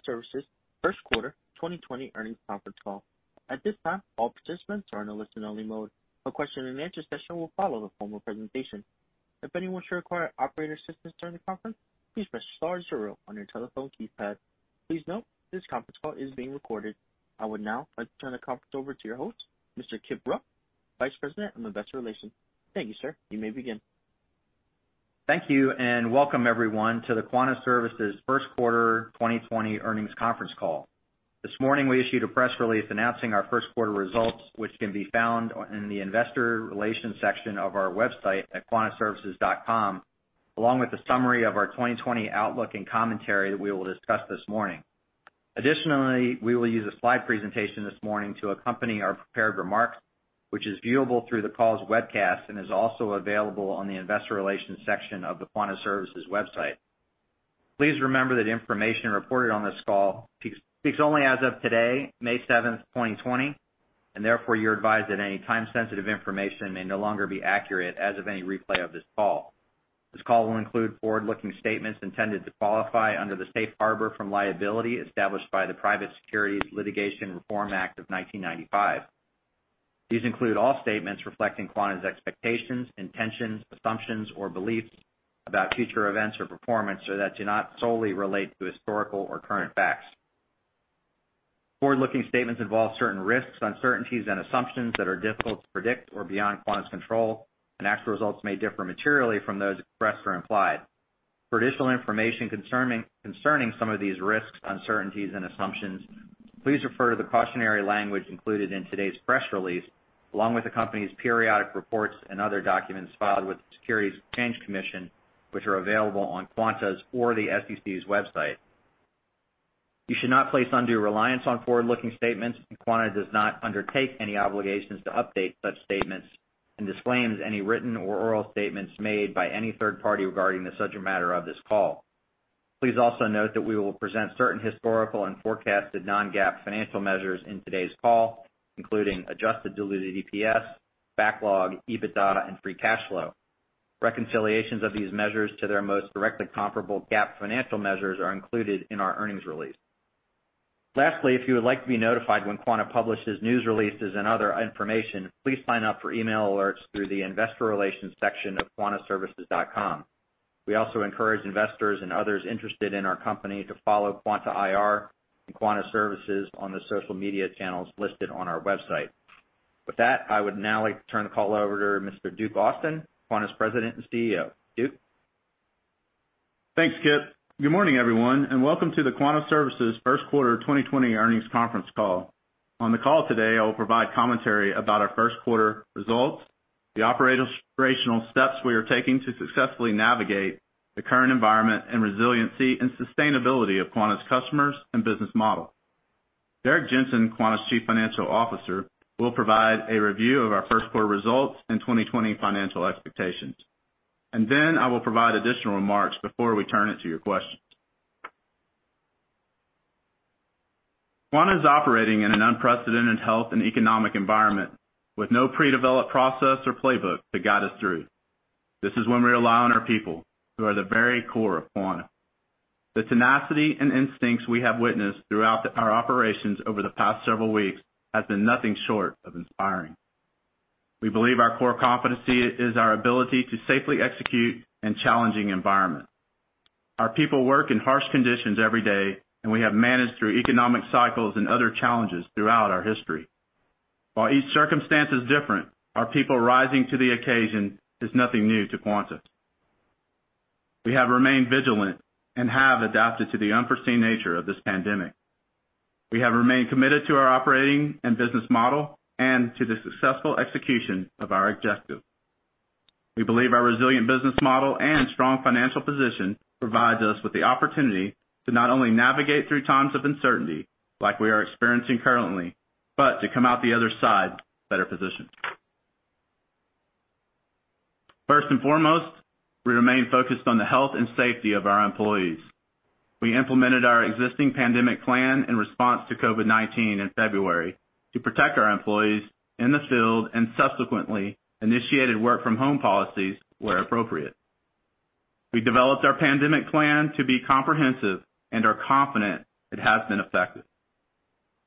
Greetings. Welcome to Quanta Services' first quarter 2020 earnings conference call. At this time, all participants are in a listen-only mode. A question-and-answer session will follow the formal presentation. If anyone should require operator assistance during the conference, please press star zero on your telephone keypad. Please note this conference call is being recorded. I would now like to turn the conference over to your host, Mr. Kip Rupp, Vice President of Investor Relations. Thank you, sir. You may begin. Thank you, and welcome everyone to the Quanta Services' first quarter 2020 earnings conference call. This morning, we issued a press release announcing our first quarter results, which can be found in the Investor Relations section of our website at quantaservices.com, along with a summary of our 2020 outlook and commentary that we will discuss this morning. Additionally, we will use a slide presentation this morning to accompany our prepared remarks, which is viewable through the call's webcast and is also available on the Investor Relations section of the Quanta Services' website. Please remember that information reported on this call speaks only as of today, May 7, 2020, and therefore you're advised that any time-sensitive information may no longer be accurate as of any replay of this call. This call will include forward-looking statements intended to qualify under the safe harbor from liability established by the Private Securities Litigation Reform Act of 1995. These include all statements reflecting Quanta's expectations, intentions, assumptions, or beliefs about future events or performance that do not solely relate to historical or current facts. Forward-looking statements involve certain risks, uncertainties, and assumptions that are difficult to predict or beyond Quanta's control, and actual results may differ materially from those expressed or implied. For additional information concerning some of these risks, uncertainties, and assumptions, please refer to the cautionary language included in today's press release, along with the company's periodic reports and other documents filed with the SEC, which are available on Quanta's or the SEC's website. You should not place undue reliance on forward-looking statements, and Quanta does not undertake any obligations to update such statements and disclaims any written or oral statements made by any third party regarding the subject matter of this call. Please also note that we will present certain historical and forecasted non-GAAP financial measures in today's call, including adjusted diluted EPS, backlog, EBITDA, and free cash flow. Reconciliations of these measures to their most directly comparable GAAP financial measures are included in our earnings release. Lastly, if you would like to be notified when Quanta publishes news releases and other information, please sign up for email alerts through the Investor Relations section of quantaservices.com. We also encourage investors and others interested in our company to follow Quanta IR and Quanta Services on the social media channels listed on our website. With that, I would now like to turn the call over to Mr. Duke Austin, Quanta's President and CEO. Duke. Thanks, Kip. Good morning, everyone, and welcome to the Quanta Services' first quarter 2020 earnings conference call. On the call today, I will provide commentary about our first quarter results, the operational steps we are taking to successfully navigate the current environment, and resiliency and sustainability of Quanta's customers and business model. Derrick Jensen, Quanta's Chief Financial Officer, will provide a review of our first quarter results and 2020 financial expectations. I will provide additional remarks before we turn it to your questions. Quanta is operating in an unprecedented health and economic environment with no pre-developed process or playbook to guide us through. This is when we rely on our people, who are the very core of Quanta. The tenacity and instincts we have witnessed throughout our operations over the past several weeks have been nothing short of inspiring. We believe our core competency is our ability to safely execute in challenging environments. Our people work in harsh conditions every day, and we have managed through economic cycles and other challenges throughout our history. While each circumstance is different, our people rising to the occasion is nothing new to Quanta. We have remained vigilant and have adapted to the unforeseen nature of this pandemic. We have remained committed to our operating and business model and to the successful execution of our objectives. We believe our resilient business model and strong financial position provide us with the opportunity to not only navigate through times of uncertainty like we are experiencing currently, but to come out the other side better positioned. First and foremost, we remain focused on the health and safety of our employees. We implemented our existing pandemic plan in response to COVID-19 in February to protect our employees in the field and subsequently initiated work-from-home policies where appropriate. We developed our pandemic plan to be comprehensive and are confident it has been effective.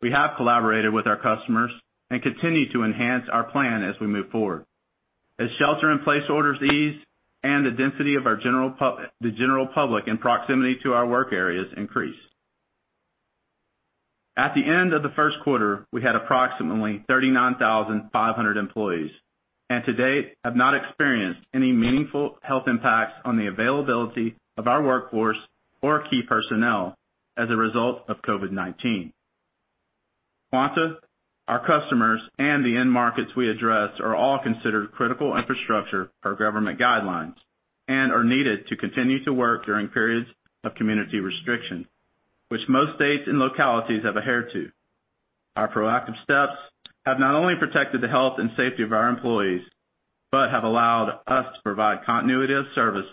We have collaborated with our customers and continue to enhance our plan as we move forward. As shelter-in-place orders ease and the density of the general public in proximity to our work areas increases, at the end of the first quarter, we had approximately 39,500 employees and to date have not experienced any meaningful health impacts on the availability of our workforce or key personnel as a result of COVID-19. Quanta, our customers, and the end markets we address are all considered critical infrastructure per government guidelines and are needed to continue to work during periods of community restriction, which most states and localities have adhered to. Our proactive steps have not only protected the health and safety of our employees but have allowed us to provide continuity of service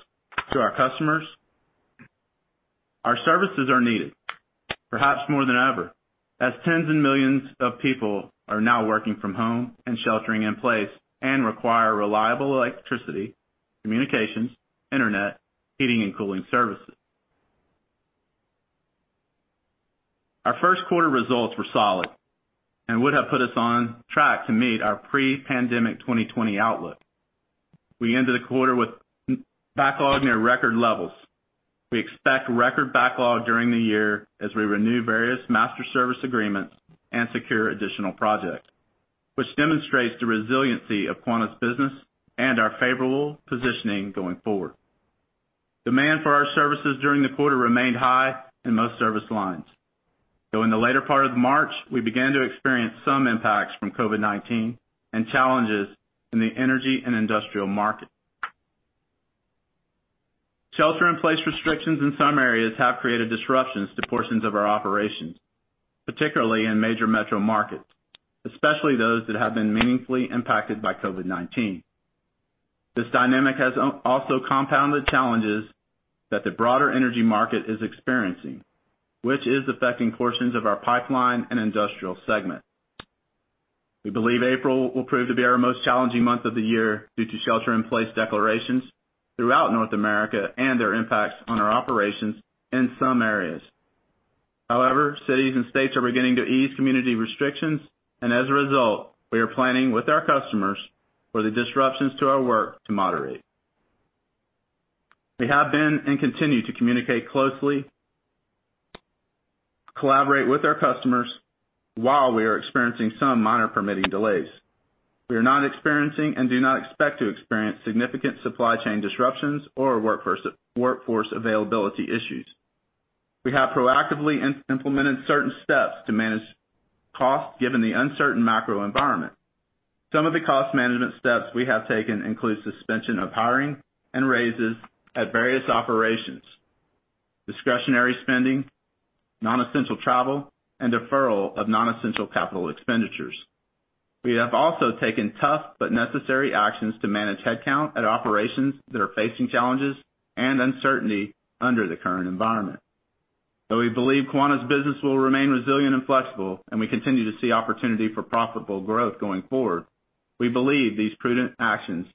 to our customers. Our services are needed, perhaps more than ever, as tens of millions of people are now working from home and sheltering in place and require reliable electricity, communications, internet, heating, and cooling services. Our first quarter results were solid and would have put us on track to meet our pre-pandemic 2020 outlook. We ended the quarter with backlog near record levels. We expect record backlog during the year as we renew various master service agreements and secure additional projects, which demonstrates the resiliency of Quanta Services' business and our favorable positioning going forward. Demand for our services during the quarter remained high in most service lines. Though in the later part of March, we began to experience some impacts from COVID-19 and challenges in the energy and industrial market. Shelter-in-place restrictions in some areas have created disruptions to portions of our operations, particularly in major metro markets, especially those that have been meaningfully impacted by COVID-19. This dynamic has also compounded challenges that the broader energy market is experiencing, which is affecting portions of our pipeline and industrial segment. We believe April will prove to be our most challenging month of the year due to shelter-in-place declarations throughout North America and their impacts on our operations in some areas. However, cities and states are beginning to ease community restrictions, and as a result, we are planning with our customers for the disruptions to our work to moderate. We have been and continue to communicate closely, collaborate with our customers while we are experiencing some minor permitting delays. We are not experiencing and do not expect to experience significant supply chain disruptions or workforce availability issues. We have proactively implemented certain steps to manage costs given the uncertain macro environment. Some of the cost management steps we have taken include suspension of hiring and raises at various operations, discretionary spending, non-essential travel, and deferral of non-essential capital expenditures. We have also taken tough but necessary actions to manage headcount at operations that are facing challenges and uncertainty under the current environment. Though we believe Quanta's business will remain resilient and flexible, and we continue to see opportunity for profitable growth going forward, we believe these prudent actions.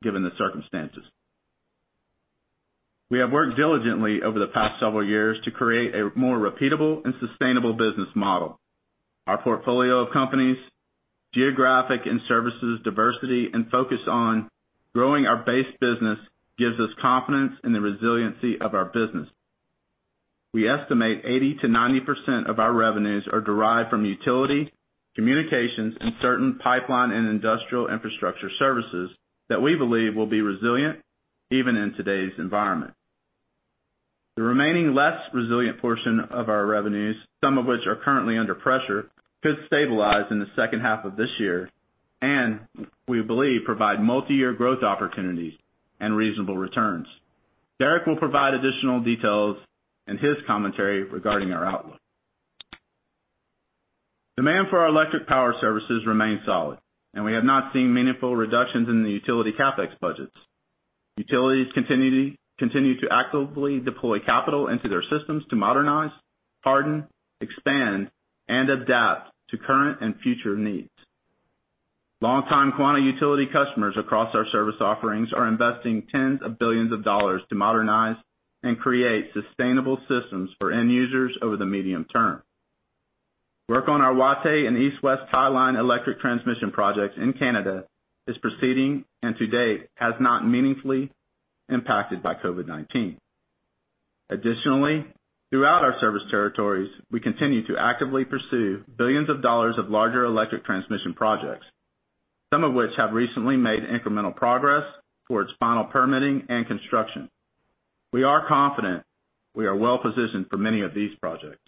Given the circumstances, we have worked diligently over the past several years to create a more repeatable and sustainable business model. Our portfolio of companies, geographic and services diversity, and focus on growing our base business gives us confidence in the resiliency of our business. We estimate 80%-90% of our revenues are derived from utility, communications, and certain pipeline and industrial infrastructure services that we believe will be resilient even in today's environment. The remaining less resilient portion of our revenues, some of which are currently under pressure, could stabilize in the second half of this year and, we believe, provide multi-year growth opportunities and reasonable returns. Derrick will provide additional details in his commentary regarding our outlook. Demand for our electric power services remains solid, and we have not seen meaningful reductions in the utility CapEx budgets. Utilities continue to actively deploy capital into their systems to modernize, harden, expand, and adapt to current and future needs. Long-time Quanta utility customers across our service offerings are investing tens of billions of dollars to modernize and create sustainable systems for end users over the medium term. Work on our WATE and East-West Highline electric transmission projects in Canada is proceeding and, to date, has not been meaningfully impacted by COVID-19. Additionally, throughout our service territories, we continue to actively pursue billions of dollars of larger electric transmission projects, some of which have recently made incremental progress towards final permitting and construction. We are confident we are well positioned for many of these projects.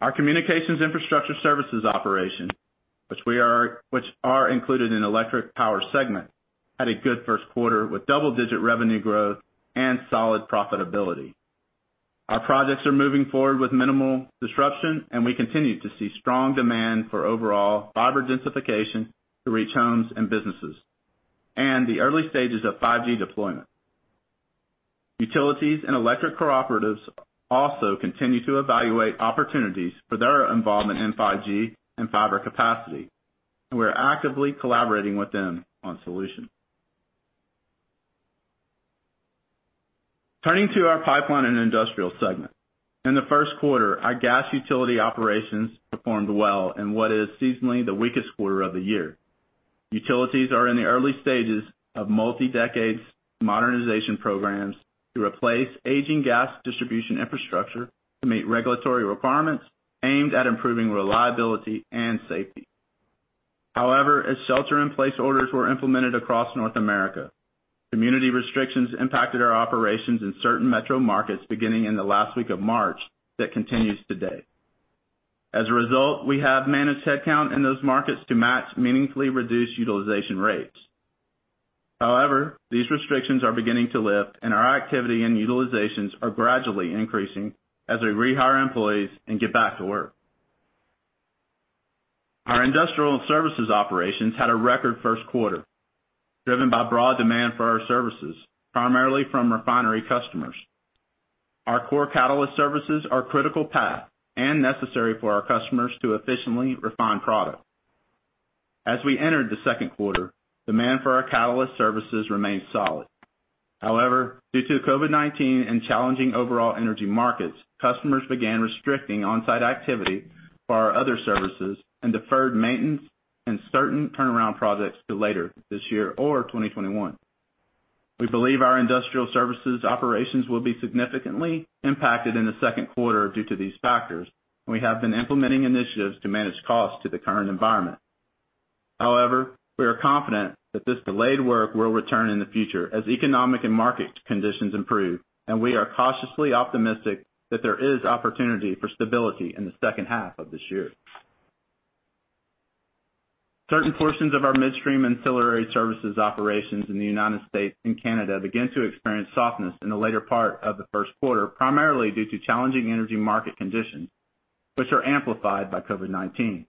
Our communications infrastructure services operation, which are included in the electric power segment, had a good first quarter with double-digit revenue growth and solid profitability. Our projects are moving forward with minimal disruption, and we continue to see strong demand for overall fiber densification to reach homes and businesses and the early stages of 5G deployment. Utilities and electric cooperatives also continue to evaluate opportunities for their involvement in 5G and fiber capacity, and we are actively collaborating with them on solutions. Turning to our pipeline and industrial segment, in the first quarter, our gas utility operations performed well in what is seasonally the weakest quarter of the year. Utilities are in the early stages of multi-decades modernization programs to replace aging gas distribution infrastructure to meet regulatory requirements aimed at improving reliability and safety. However, as shelter-in-place orders were implemented across North America, community restrictions impacted our operations in certain metro markets beginning in the last week of March that continues today. As a result, we have managed headcount in those markets to match meaningfully reduced utilization rates. However, these restrictions are beginning to lift, and our activity and utilizations are gradually increasing as we rehire employees and get back to work. Our industrial services operations had a record first quarter, driven by broad demand for our services, primarily from refinery customers. Our core catalyst services are critical path and necessary for our customers to efficiently refine product. As we entered the second quarter, demand for our catalyst services remained solid. However, due to COVID-19 and challenging overall energy markets, customers began restricting onsite activity for our other services and deferred maintenance and certain turnaround projects to later this year or 2021. We believe our industrial services operations will be significantly impacted in the second quarter due to these factors, and we have been implementing initiatives to manage costs to the current environment. However, we are confident that this delayed work will return in the future as economic and market conditions improve, and we are cautiously optimistic that there is opportunity for stability in the second half of this year. Certain portions of our midstream ancillary services operations in the United States and Canada began to experience softness in the later part of the first quarter, primarily due to challenging energy market conditions, which are amplified by COVID-19,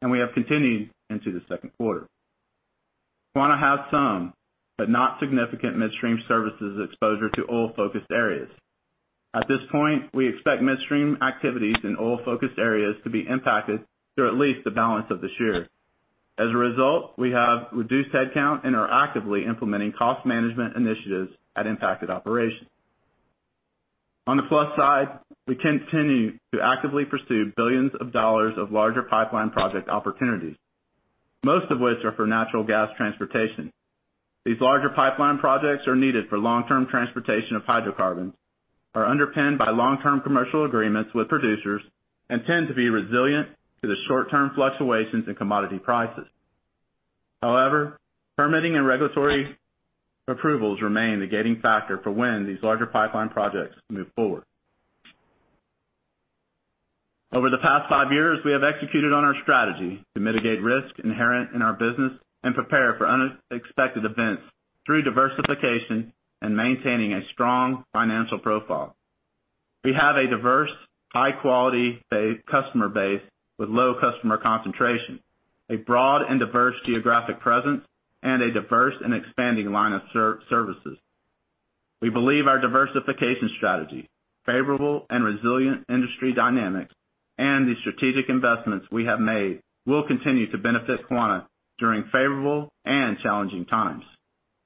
and we have continued into the second quarter. Quanta has some, but not significant, midstream services exposure to oil-focused areas. At this point, we expect midstream activities in oil-focused areas to be impacted through at least the balance of this year. As a result, we have reduced headcount and are actively implementing cost management initiatives at impacted operations. On the plus side, we continue to actively pursue billions of dollars of larger pipeline project opportunities, most of which are for natural gas transportation. These larger pipeline projects are needed for long-term transportation of hydrocarbons, are underpinned by long-term commercial agreements with producers, and tend to be resilient to the short-term fluctuations in commodity prices. However, permitting and regulatory approvals remain the gating factor for when these larger pipeline projects move forward. Over the past five years, we have executed on our strategy to mitigate risk inherent in our business and prepare for unexpected events through diversification and maintaining a strong financial profile. We have a diverse, high-quality customer base with low customer concentration, a broad and diverse geographic presence, and a diverse and expanding line of services. We believe our diversification strategy, favorable and resilient industry dynamics, and the strategic investments we have made will continue to benefit Quanta during favorable and challenging times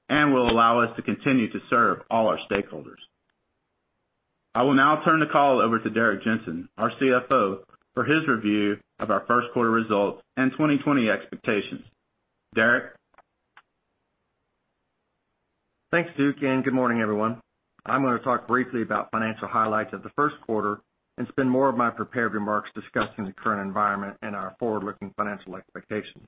and will allow us to continue to serve all our stakeholders. I will now turn the call over to Derrick Jensen, our CFO, for his review of our first quarter results and 2020 expectations. Derrick. Thanks, Duke, and good morning, everyone. I'm going to talk briefly about financial highlights of the first quarter and spend more of my prepared remarks discussing the current environment and our forward-looking financial expectations.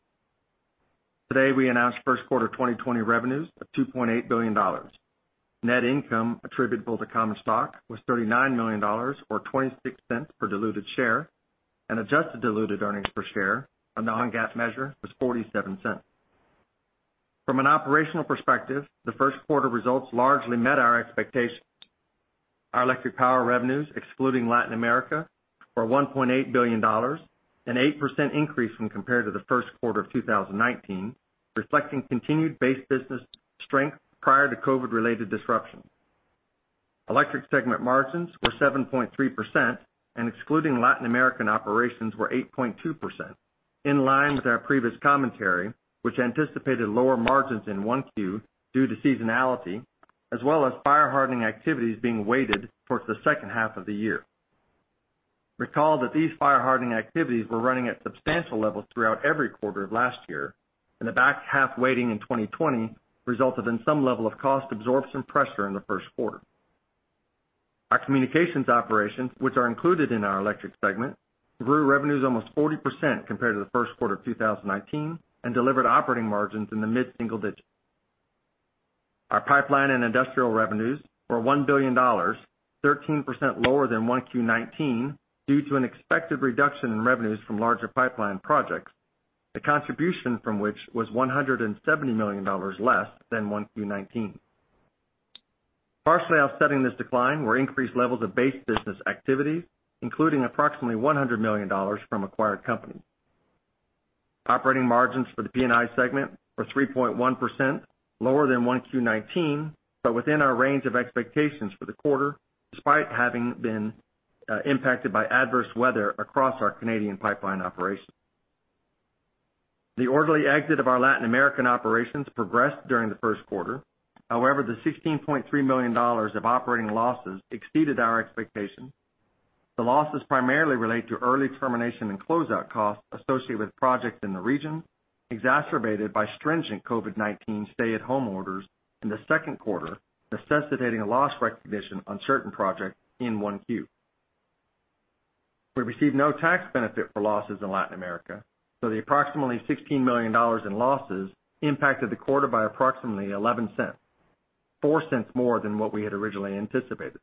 Today, we announced first quarter 2020 revenues of $2.8 billion. Net income attributable to common stock was $39 million or $0.26 per diluted share, and adjusted diluted earnings per share on the non-GAAP measure was $0.47. From an operational perspective, the first quarter results largely met our expectations. Our electric power revenues, excluding Latin America, were $1.8 billion, an 8% increase when compared to the first quarter of 2019, reflecting continued base business strength prior to COVID-related disruptions. Electric segment margins were 7.3%, and excluding Latin American operations were 8.2%, in line with our previous commentary, which anticipated lower margins in one Q due to seasonality, as well as fire hardening activities being weighted towards the second half of the year. Recall that these fire hardening activities were running at substantial levels throughout every quarter of last year, and the back half weighting in 2020 resulted in some level of cost absorption pressure in the first quarter. Our communications operations, which are included in our electric segment, grew revenues almost 40% compared to the first quarter of 2019 and delivered operating margins in the mid-single digits. Our pipeline and industrial revenues were $1 billion, 13% lower than one Q19 due to an expected reduction in revenues from larger pipeline projects, the contribution from which was $170 million less than one Q19. Partially offsetting this decline were increased levels of base business activities, including approximately $100 million from acquired companies. Operating margins for the P&I segment were 3.1%, lower than Q1 2019, but within our range of expectations for the quarter, despite having been impacted by adverse weather across our Canadian pipeline operations. The orderly exit of our Latin American operations progressed during the first quarter. However, the $16.3 million of operating losses exceeded our expectations. The losses primarily relate to early termination and closeout costs associated with projects in the region, exacerbated by stringent COVID-19 stay-at-home orders in the second quarter, necessitating a loss recognition on certain projects in Q1. We received no tax benefit for losses in Latin America, so the approximately $16 million in losses impacted the quarter by approximately $0.11, $0.04 more than what we had originally anticipated.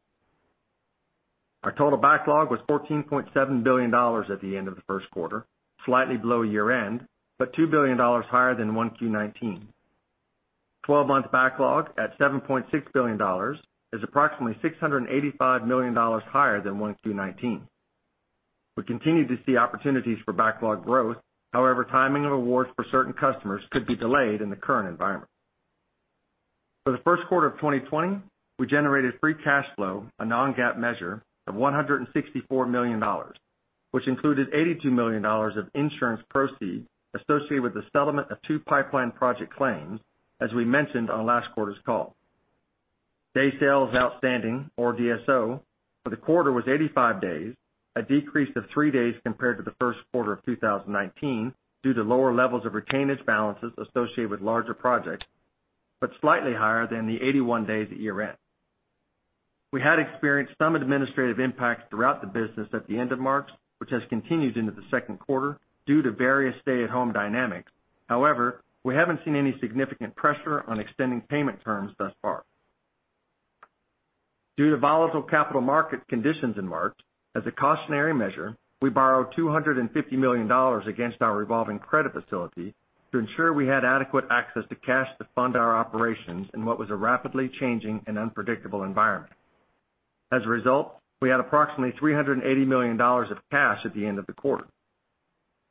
Our total backlog was $14.7 billion at the end of the first quarter, slightly below year-end, but $2 billion higher than one Q19. Twelve-month backlog at $7.6 billion is approximately $685 million higher than one Q19. We continue to see opportunities for backlog growth; however, timing of awards for certain customers could be delayed in the current environment. For the first quarter of 2020, we generated free cash flow, a non-GAAP measure, of $164 million, which included $82 million of insurance proceeds associated with the settlement of two pipeline project claims, as we mentioned on last quarter's call. Day sales outstanding, or DSO, for the quarter was 85 days, a decrease of three days compared to the first quarter of 2019 due to lower levels of retainage balances associated with larger projects, but slightly higher than the 81 days at year-end. We had experienced some administrative impact throughout the business at the end of March, which has continued into the second quarter due to various stay-at-home dynamics. However, we haven't seen any significant pressure on extending payment terms thus far. Due to volatile capital market conditions in March, as a cautionary measure, we borrowed $250 million against our revolving credit facility to ensure we had adequate access to cash to fund our operations in what was a rapidly changing and unpredictable environment. As a result, we had approximately $380 million of cash at the end of the quarter.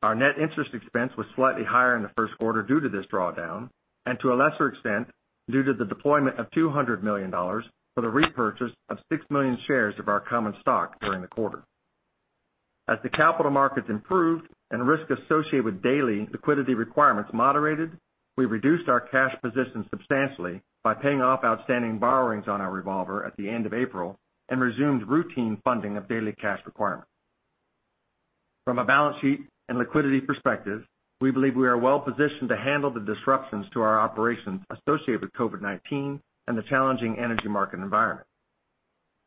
Our net interest expense was slightly higher in the first quarter due to this drawdown and, to a lesser extent, due to the deployment of $200 million for the repurchase of $6 million shares of our common stock during the quarter. As the capital markets improved and risk associated with daily liquidity requirements moderated, we reduced our cash position substantially by paying off outstanding borrowings on our revolver at the end of April and resumed routine funding of daily cash requirements. From a balance sheet and liquidity perspective, we believe we are well positioned to handle the disruptions to our operations associated with COVID-19 and the challenging energy market environment.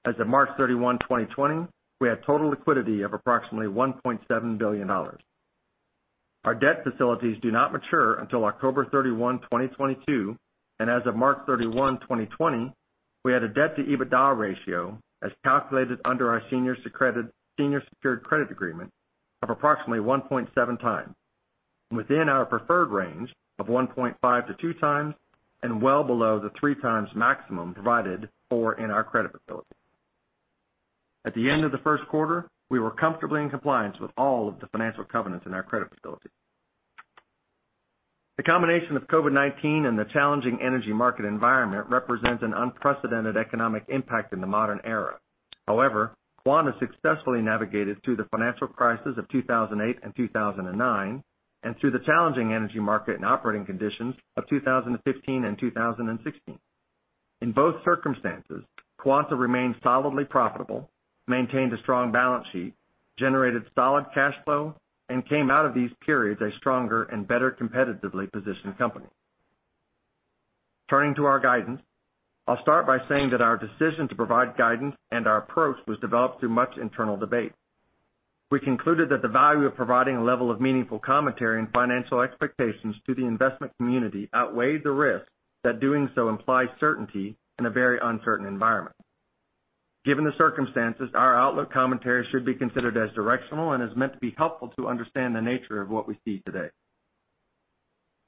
As of March 31, 2020, we had total liquidity of approximately $1.7 billion. Our debt facilities do not mature until October 31, 2022, and as of March 31, 2020, we had a debt-to-EBITDA ratio, as calculated under our senior secured credit agreement, of approximately 1.7x, within our preferred range of 1.5x-2x and well below the 3x maximum provided for in our credit facility. At the end of the first quarter, we were comfortably in compliance with all of the financial covenants in our credit facility. The combination of COVID-19 and the challenging energy market environment represents an unprecedented economic impact in the modern era. However, Quanta successfully navigated through the financial crisis of 2008 and 2009 and through the challenging energy market and operating conditions of 2015 and 2016. In both circumstances, Quanta remained solidly profitable, maintained a strong balance sheet, generated solid cash flow, and came out of these periods a stronger and better competitively positioned company. Turning to our guidance, I'll start by saying that our decision to provide guidance and our approach was developed through much internal debate. We concluded that the value of providing a level of meaningful commentary and financial expectations to the investment community outweighed the risk that doing so implies certainty in a very uncertain environment. Given the circumstances, our outlook commentary should be considered as directional and is meant to be helpful to understand the nature of what we see today.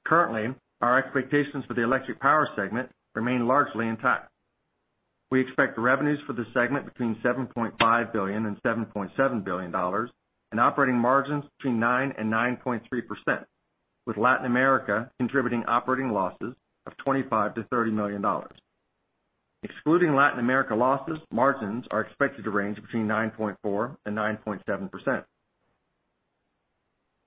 Currently, our expectations for the electric power segment remain largely intact. We expect revenues for the segment between $7.5 billion and $7.7 billion and operating margins between 9% and 9.3%, with Latin America contributing operating losses of $25 million-$30 million. Excluding Latin America losses, margins are expected to range between 9.4% and 9.7%.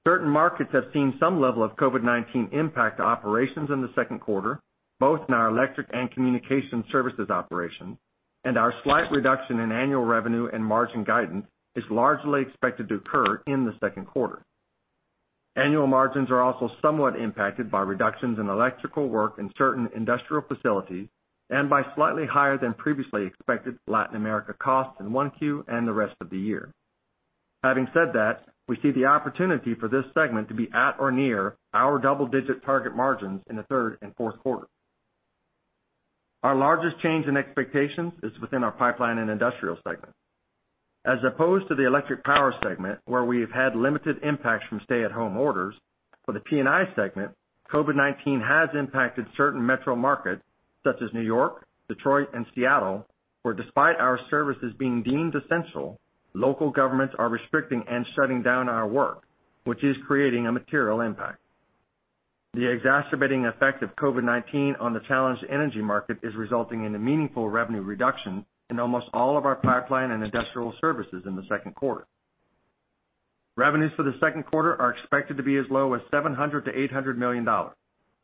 Certain markets have seen some level of COVID-19 impact to operations in the second quarter, both in our electric and communication services operations, and our slight reduction in annual revenue and margin guidance is largely expected to occur in the second quarter. Annual margins are also somewhat impacted by reductions in electrical work in certain industrial facilities and by slightly higher than previously expected Latin America costs in Q1 and the rest of the year. Having said that, we see the opportunity for this segment to be at or near our double-digit target margins in the third and fourth quarter. Our largest change in expectations is within our pipeline and industrial segment. As opposed to the electric power segment, where we have had limited impacts from stay-at-home orders, for the P&I segment, COVID-19 has impacted certain metro markets such as New York, Detroit, and Seattle, where, despite our services being deemed essential, local governments are restricting and shutting down our work, which is creating a material impact. The exacerbating effect of COVID-19 on the challenged energy market is resulting in a meaningful revenue reduction in almost all of our pipeline and industrial services in the second quarter. Revenues for the second quarter are expected to be as low as $700 million-$800 million,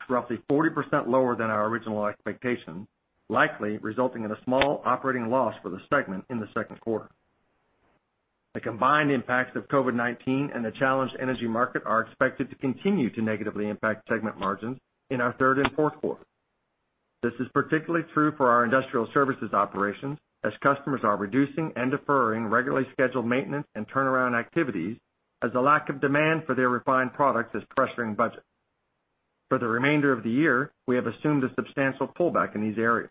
roughly 40% lower than our original expectation, likely resulting in a small operating loss for the segment in the second quarter. The combined impacts of COVID-19 and the challenged energy market are expected to continue to negatively impact segment margins in our third and fourth quarter. This is particularly true for our industrial services operations, as customers are reducing and deferring regularly scheduled maintenance and turnaround activities, as the lack of demand for their refined products is pressuring budgets. For the remainder of the year, we have assumed a substantial pullback in these areas.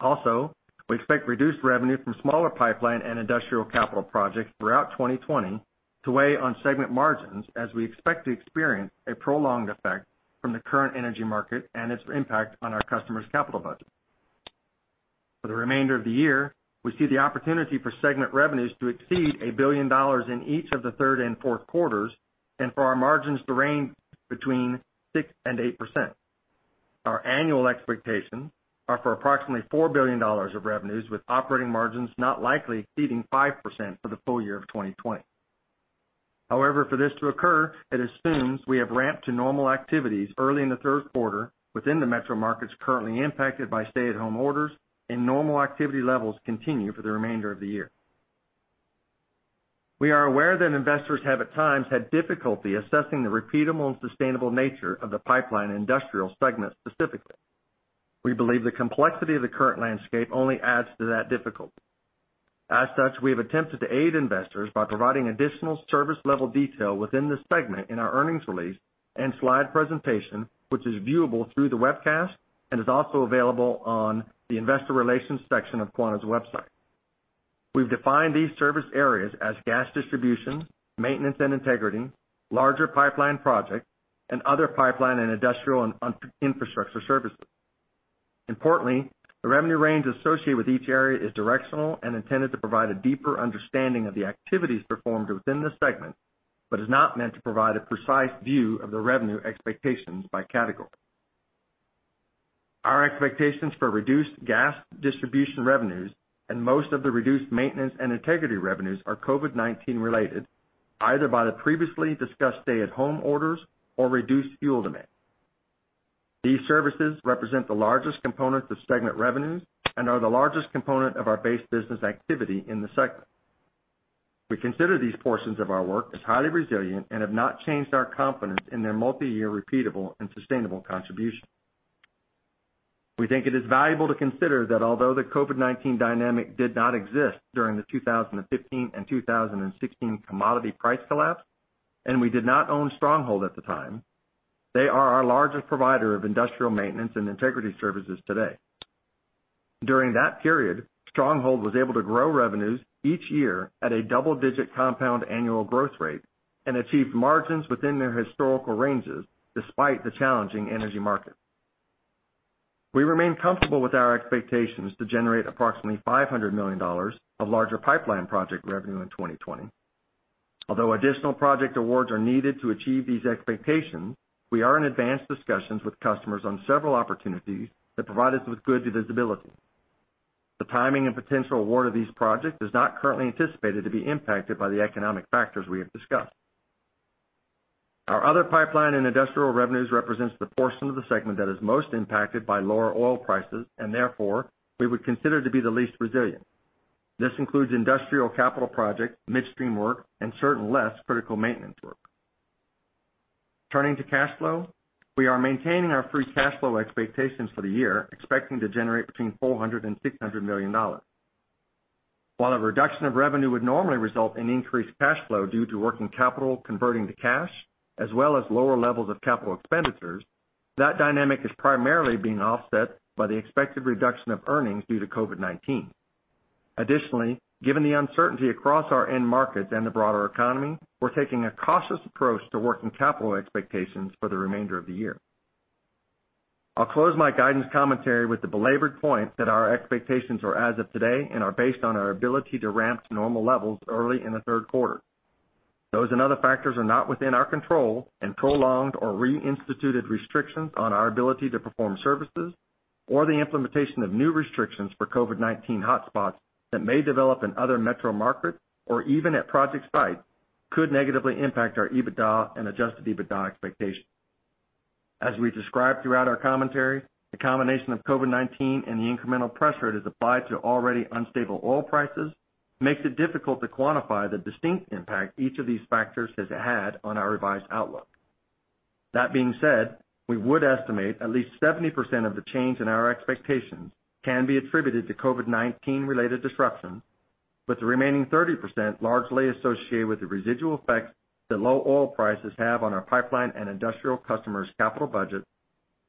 Also, we expect reduced revenue from smaller pipeline and industrial capital projects throughout 2020 to weigh on segment margins, as we expect to experience a prolonged effect from the current energy market and its impact on our customers' capital budgets. For the remainder of the year, we see the opportunity for segment revenues to exceed $1 billion in each of the third and fourth quarters and for our margins to range between 6-8%. Our annual expectations are for approximately $4 billion of revenues, with operating margins not likely exceeding 5% for the full year of 2020. However, for this to occur, it assumes we have ramped to normal activities early in the third quarter within the metro markets currently impacted by stay-at-home orders, and normal activity levels continue for the remainder of the year. We are aware that investors have at times had difficulty assessing the repeatable and sustainable nature of the pipeline and industrial segment specifically. We believe the complexity of the current landscape only adds to that difficulty. As such, we have attempted to aid investors by providing additional service-level detail within the segment in our earnings release and slide presentation, which is viewable through the webcast and is also available on the investor relations section of Quanta's website. We've defined these service areas as gas distribution, maintenance and integrity, larger pipeline projects, and other pipeline and industrial and infrastructure services. Importantly, the revenue range associated with each area is directional and intended to provide a deeper understanding of the activities performed within the segment, but is not meant to provide a precise view of the revenue expectations by category. Our expectations for reduced gas distribution revenues and most of the reduced maintenance and integrity revenues are COVID-19 related, either by the previously discussed stay-at-home orders or reduced fuel demand. These services represent the largest components of segment revenues and are the largest component of our base business activity in the segment. We consider these portions of our work as highly resilient and have not changed our confidence in their multi-year repeatable and sustainable contribution. We think it is valuable to consider that although the COVID-19 dynamic did not exist during the 2015 and 2016 commodity price collapse, and we did not own Stronghold at the time, they are our largest provider of industrial maintenance and integrity services today. During that period, Stronghold was able to grow revenues each year at a double-digit compound annual growth rate and achieve margins within their historical ranges despite the challenging energy markets. We remain comfortable with our expectations to generate approximately $500 million of larger pipeline project revenue in 2020. Although additional project awards are needed to achieve these expectations, we are in advanced discussions with customers on several opportunities that provide us with good visibility. The timing and potential award of these projects is not currently anticipated to be impacted by the economic factors we have discussed. Our other pipeline and industrial revenues represent the portion of the segment that is most impacted by lower oil prices and, therefore, we would consider to be the least resilient. This includes industrial capital projects, midstream work, and certain less critical maintenance work. Turning to cash flow, we are maintaining our free cash flow expectations for the year, expecting to generate between $400 and $600 million. While a reduction of revenue would normally result in increased cash flow due to working capital converting to cash, as well as lower levels of capital expenditures, that dynamic is primarily being offset by the expected reduction of earnings due to COVID-19. Additionally, given the uncertainty across our end markets and the broader economy, we're taking a cautious approach to working capital expectations for the remainder of the year. I'll close my guidance commentary with the belabored point that our expectations are as of today and are based on our ability to ramp to normal levels early in the third quarter. Those and other factors are not within our control, and prolonged or reinstituted restrictions on our ability to perform services or the implementation of new restrictions for COVID-19 hotspots that may develop in other metro markets or even at project sites could negatively impact our EBITDA and adjusted EBITDA expectations. As we described throughout our commentary, the combination of COVID-19 and the incremental pressure it has applied to already unstable oil prices makes it difficult to quantify the distinct impact each of these factors has had on our revised outlook. That being said, we would estimate at least 70% of the change in our expectations can be attributed to COVID-19-related disruptions, with the remaining 30% largely associated with the residual effects that low oil prices have on our pipeline and industrial customers' capital budgets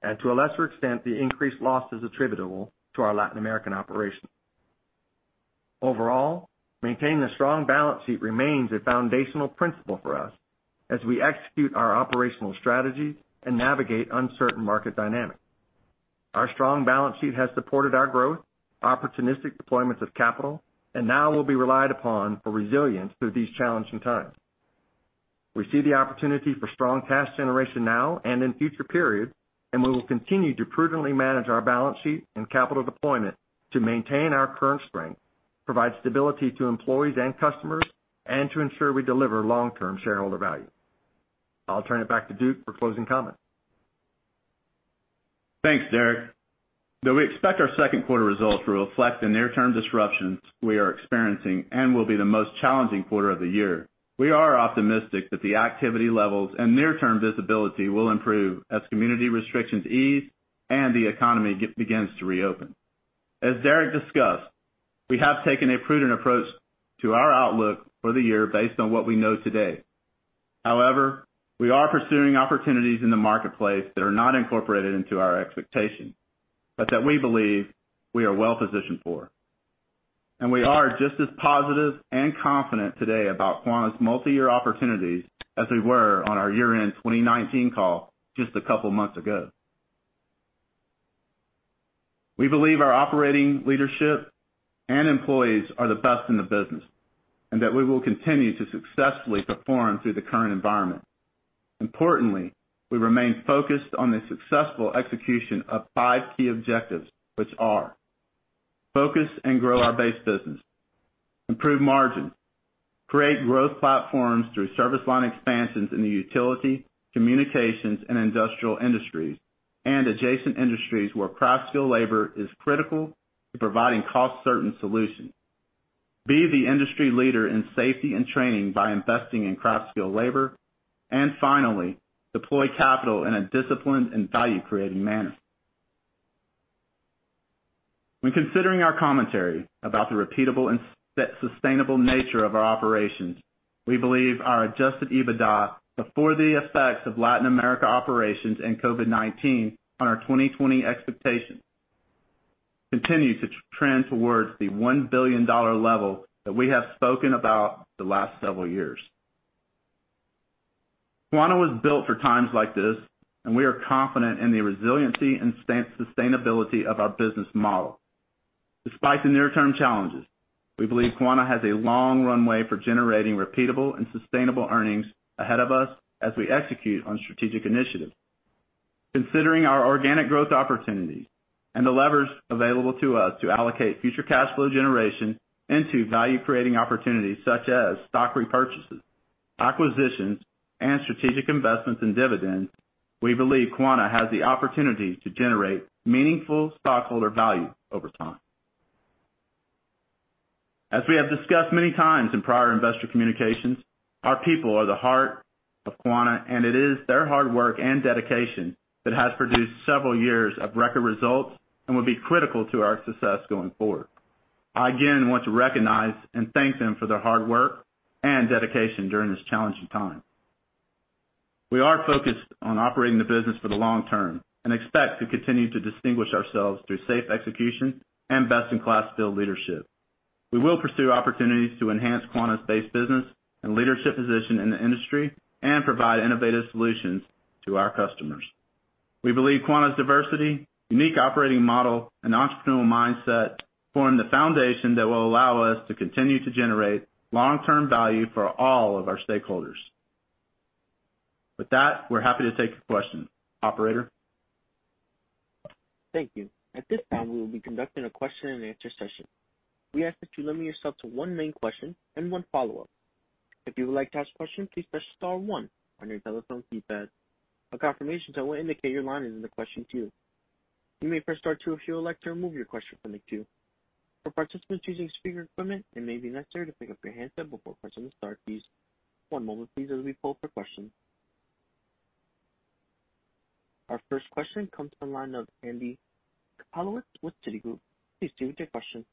and, to a lesser extent, the increased losses attributable to our Latin American operations. Overall, maintaining a strong balance sheet remains a foundational principle for us as we execute our operational strategies and navigate uncertain market dynamics. Our strong balance sheet has supported our growth, opportunistic deployments of capital, and now will be relied upon for resilience through these challenging times. We see the opportunity for strong cash generation now and in future periods, and we will continue to prudently manage our balance sheet and capital deployment to maintain our current strength, provide stability to employees and customers, and to ensure we deliver long-term shareholder value. I'll turn it back to Duke for closing comments. Thanks, Derrick. Though we expect our second quarter results to reflect the near-term disruptions we are experiencing and will be the most challenging quarter of the year, we are optimistic that the activity levels and near-term visibility will improve as community restrictions ease and the economy begins to reopen. As Derrick discussed, we have taken a prudent approach to our outlook for the year based on what we know today. However, we are pursuing opportunities in the marketplace that are not incorporated into our expectations, but that we believe we are well positioned for. We are just as positive and confident today about Quanta's multi-year opportunities as we were on our year-end 2019 call just a couple of months ago. We believe our operating leadership and employees are the best in the business and that we will continue to successfully perform through the current environment. Importantly, we remain focused on the successful execution of five key objectives, which are: focus and grow our base business, improve margins, create growth platforms through service line expansions in the utility, communications, and industrial industries, and adjacent industries where craft skilled labor is critical to providing cost-certain solutions, be the industry leader in safety and training by investing in craft skilled labor, and finally, deploy capital in a disciplined and value-creating manner. When considering our commentary about the repeatable and sustainable nature of our operations, we believe our adjusted EBITDA before the effects of Latin America operations and COVID-19 on our 2020 expectations continue to trend towards the $1 billion level that we have spoken about the last several years. Quanta was built for times like this, and we are confident in the resiliency and sustainability of our business model. Despite the near-term challenges, we believe Quanta has a long runway for generating repeatable and sustainable earnings ahead of us as we execute on strategic initiatives. Considering our organic growth opportunities and the levers available to us to allocate future cash flow generation into value-creating opportunities such as stock repurchases, acquisitions, and strategic investments in dividends, we believe Quanta has the opportunity to generate meaningful stockholder value over time. As we have discussed many times in prior investor communications, our people are the heart of Quanta, and it is their hard work and dedication that has produced several years of record results and will be critical to our success going forward. I again want to recognize and thank them for their hard work and dedication during this challenging time. We are focused on operating the business for the long term and expect to continue to distinguish ourselves through safe execution and best-in-class skilled leadership. We will pursue opportunities to enhance Quanta's base business and leadership position in the industry and provide innovative solutions to our customers. We believe Quanta's diversity, unique operating model, and entrepreneurial mindset form the foundation that will allow us to continue to generate long-term value for all of our stakeholders. With that, we're happy to take your questions, Operator. Thank you. At this time, we will be conducting a question-and-answer session. We ask that you limit yourself to one main question and one follow-up. If you would like to ask a question, please press star one on your telephone keypad. A confirmation will indicate your line is in the question queue. You may press star two if you would like to remove your question from the queue. For participants using speaker equipment, it may be necessary to pick up your handset before pressing the star keys. One moment, please, as we pull up your questions. Our first question comes from the line of Andy Kaplowitz with Citigroup. Please state your question.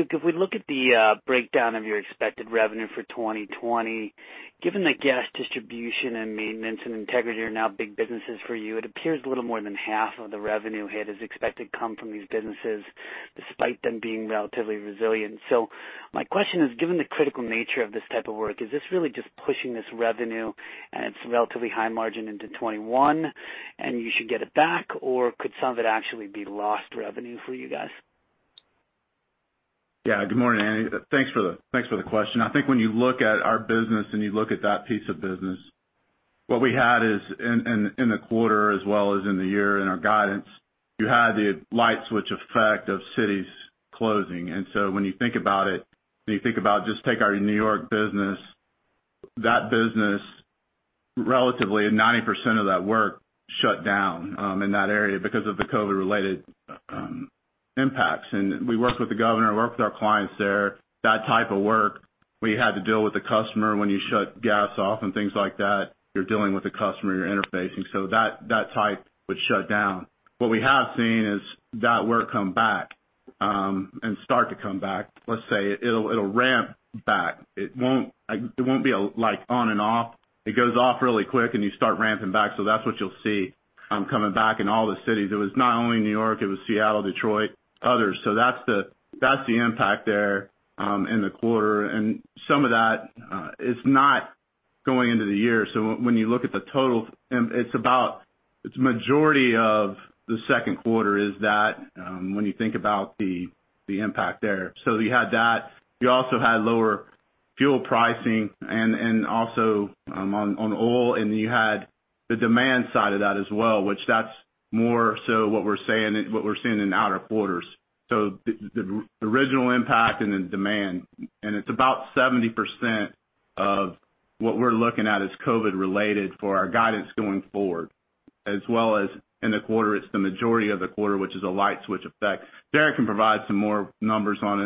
Duke, if we look at the breakdown of your expected revenue for 2020, given the gas distribution and maintenance and integrity are now big businesses for you, it appears a little more than half of the revenue hit is expected to come from these businesses despite them being relatively resilient. My question is, given the critical nature of this type of work, is this really just pushing this revenue and its relatively high margin into 2021, and you should get it back, or could some of it actually be lost revenue for you guys? Yeah. Good morning, Andy. Thanks for the question. I think when you look at our business and you look at that piece of business, what we had is in the quarter as well as in the year in our guidance, you had the light switch effect of cities closing. When you think about it, when you think about just take our New York business, that business, relatively 90% of that work shut down in that area because of the COVID-19-related impacts. We worked with the governor, worked with our clients there. That type of work, we had to deal with the customer. When you shut gas off and things like that, you're dealing with the customer, you're interfacing. That type would shut down. What we have seen is that work come back and start to come back. Let's say it'll ramp back. It won't be on and off. It goes off really quick, and you start ramping back. That is what you'll see coming back in all the cities. It was not only New York; it was Seattle, Detroit, others. That is the impact there in the quarter. Some of that is not going into the year. When you look at the total, it's about the majority of the second quarter is that when you think about the impact there. You had that. You also had lower fuel pricing and also on oil, and you had the demand side of that as well, which that's more so what we're seeing in outer quarters. The original impact and then demand. It's about 70% of what we're looking at is COVID-related for our guidance going forward, as well as in the quarter, it's the majority of the quarter, which is a light switch effect. Derrick can provide some more numbers on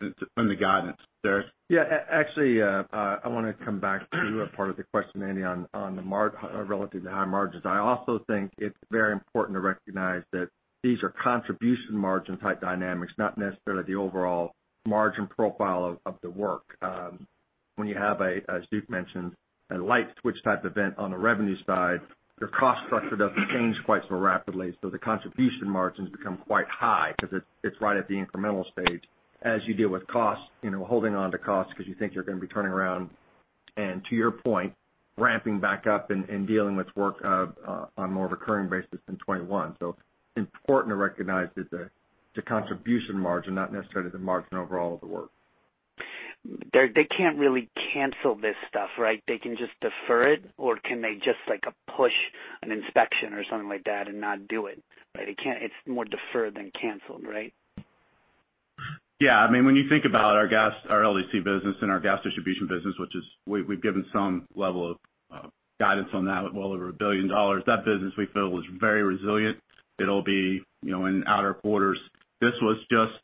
it in the guidance. Derrick. Yeah. Actually, I want to come back to a part of the question, Andy, on the relatively high margins. I also think it's very important to recognize that these are contribution margin-type dynamics, not necessarily the overall margin profile of the work. When you have, as Duke mentioned, a light switch type event on the revenue side, your cost structure doesn't change quite so rapidly. The contribution margins become quite high because it's right at the incremental stage as you deal with costs, holding on to costs because you think you're going to be turning around and, to your point, ramping back up and dealing with work on a more recurring basis in 2021. It is important to recognize that the contribution margin, not necessarily the margin overall of the work. They can't really cancel this stuff, right? They can just defer it, or can they just push an inspection or something like that and not do it? It's more deferred than canceled, right? Yeah. I mean, when you think about our LDC business and our gas distribution business, which we've given some level of guidance on that, well over $1 billion, that business we feel is very resilient. It'll be in outer quarters. This was just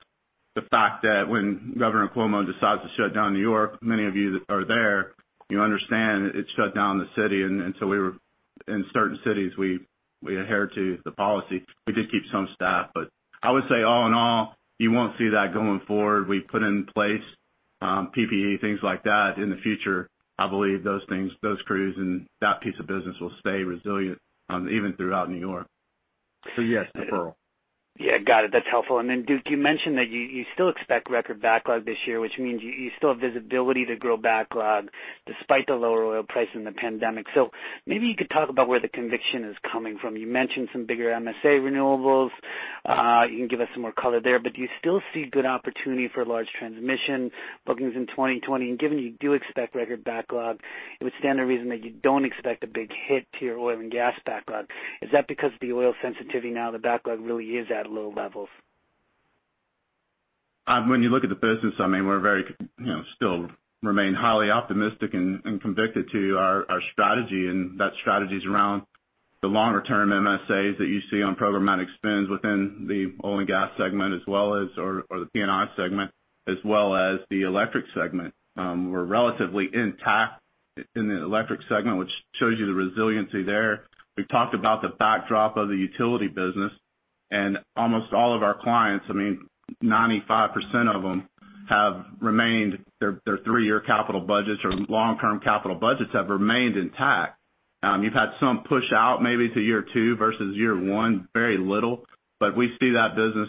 the fact that when Governor Cuomo decides to shut down New York, many of you that are there, you understand it shut down the city. In certain cities, we adhered to the policy. We did keep some staff, but I would say all in all, you will not see that going forward. We put in place PPE, things like that. In the future, I believe those crews and that piece of business will stay resilient even throughout New York. Yes, deferral. Yeah. Got it. That's helpful. Duke, you mentioned that you still expect record backlog this year, which means you still have visibility to grow backlog despite the lower oil price and the pandemic. Maybe you could talk about where the conviction is coming from. You mentioned some bigger MSA renewables. You can give us some more color there. Do you still see good opportunity for large transmission bookings in 2020? Given you do expect record backlog, it would stand to reason that you do not expect a big hit to your oil and gas backlog. Is that because of the oil sensitivity now? The backlog really is at low levels. When you look at the business, I mean, we still remain highly optimistic and convicted to our strategy, and that strategy is around the longer-term MSAs that you see on programmatic spends within the oil and gas segment as well as the P&I segment as well as the electric segment. We are relatively intact in the electric segment, which shows you the resiliency there. We have talked about the backdrop of the utility business, and almost all of our clients, I mean, 95% of them have remained. Their three-year capital budgets or long-term capital budgets have remained intact. You've had some push out maybe to year two versus year one, very little, but we see that business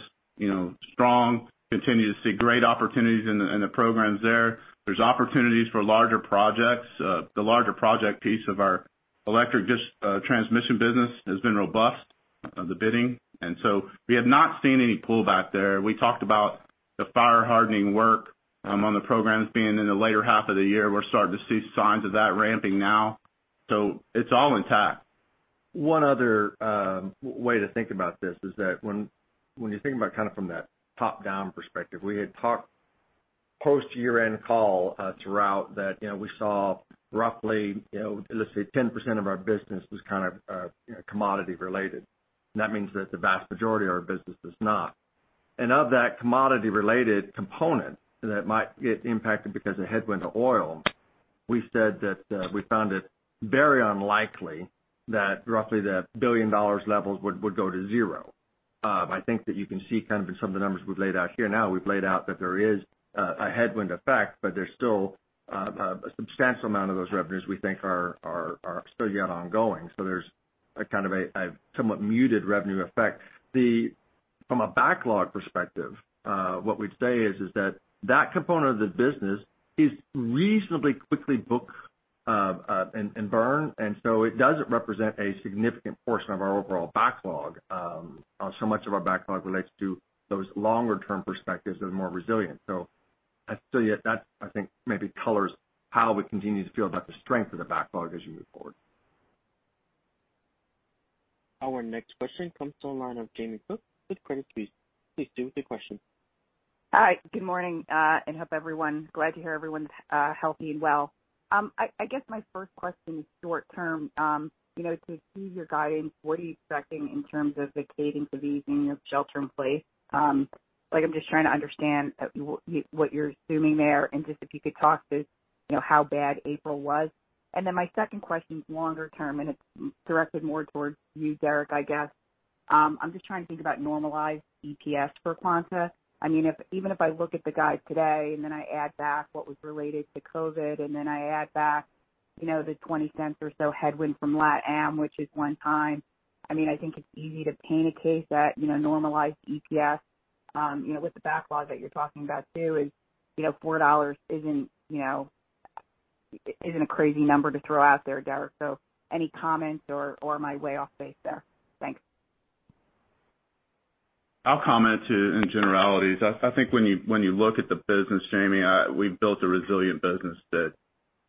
strong, continue to see great opportunities in the programs there. There's opportunities for larger projects. The larger project piece of our electric transmission business has been robust, the bidding. We have not seen any pullback there. We talked about the fire-hardening work on the programs being in the later half of the year. We're starting to see signs of that ramping now. It's all intact. One other way to think about this is that when you think about kind of from that top-down perspective, we had talked post-year-end call throughout that we saw roughly, let's say, 10% of our business was kind of commodity-related. That means that the vast majority of our business is not. Of that commodity-related component that might get impacted because of headwind to oil, we said that we found it very unlikely that roughly the $1 billion levels would go to zero. I think that you can see kind of in some of the numbers we have laid out here now, we have laid out that there is a headwind effect, but there is still a substantial amount of those revenues we think are still yet ongoing. There is kind of a somewhat muted revenue effect. From a backlog perspective, what we would say is that that component of the business is reasonably quickly booked and burned, and it does not represent a significant portion of our overall backlog. Much of our backlog relates to those longer-term perspectives that are more resilient. I think that, I think, maybe colors how we continue to feel about the strength of the backlog as you move forward. Our next question comes to the line of Jamie Cook with Credit Suisse. Please do with your question. Hi. Good morning, and hope everyone's glad to hear everyone's healthy and well. I guess my first question is short-term. To see your guidance, what are you expecting in terms of the cadence of easing of shelter in place? I'm just trying to understand what you're assuming there and just if you could talk to how bad April was. My second question is longer-term, and it's directed more towards you, Derrick, I guess. I'm just trying to think about normalized EPS for Quanta. I mean, even if I look at the guide today and then I add back what was related to COVID-19, and then I add back the $0.20 or so headwind from Latin America, which is one time, I mean, I think it's easy to paint a case that normalized EPS with the backlog that you're talking about too is $4 isn't a crazy number to throw out there, Derrick. So any comments or am I way off base there? Thanks. I'll comment in generalities. I think when you look at the business, Jamie, we've built a resilient business that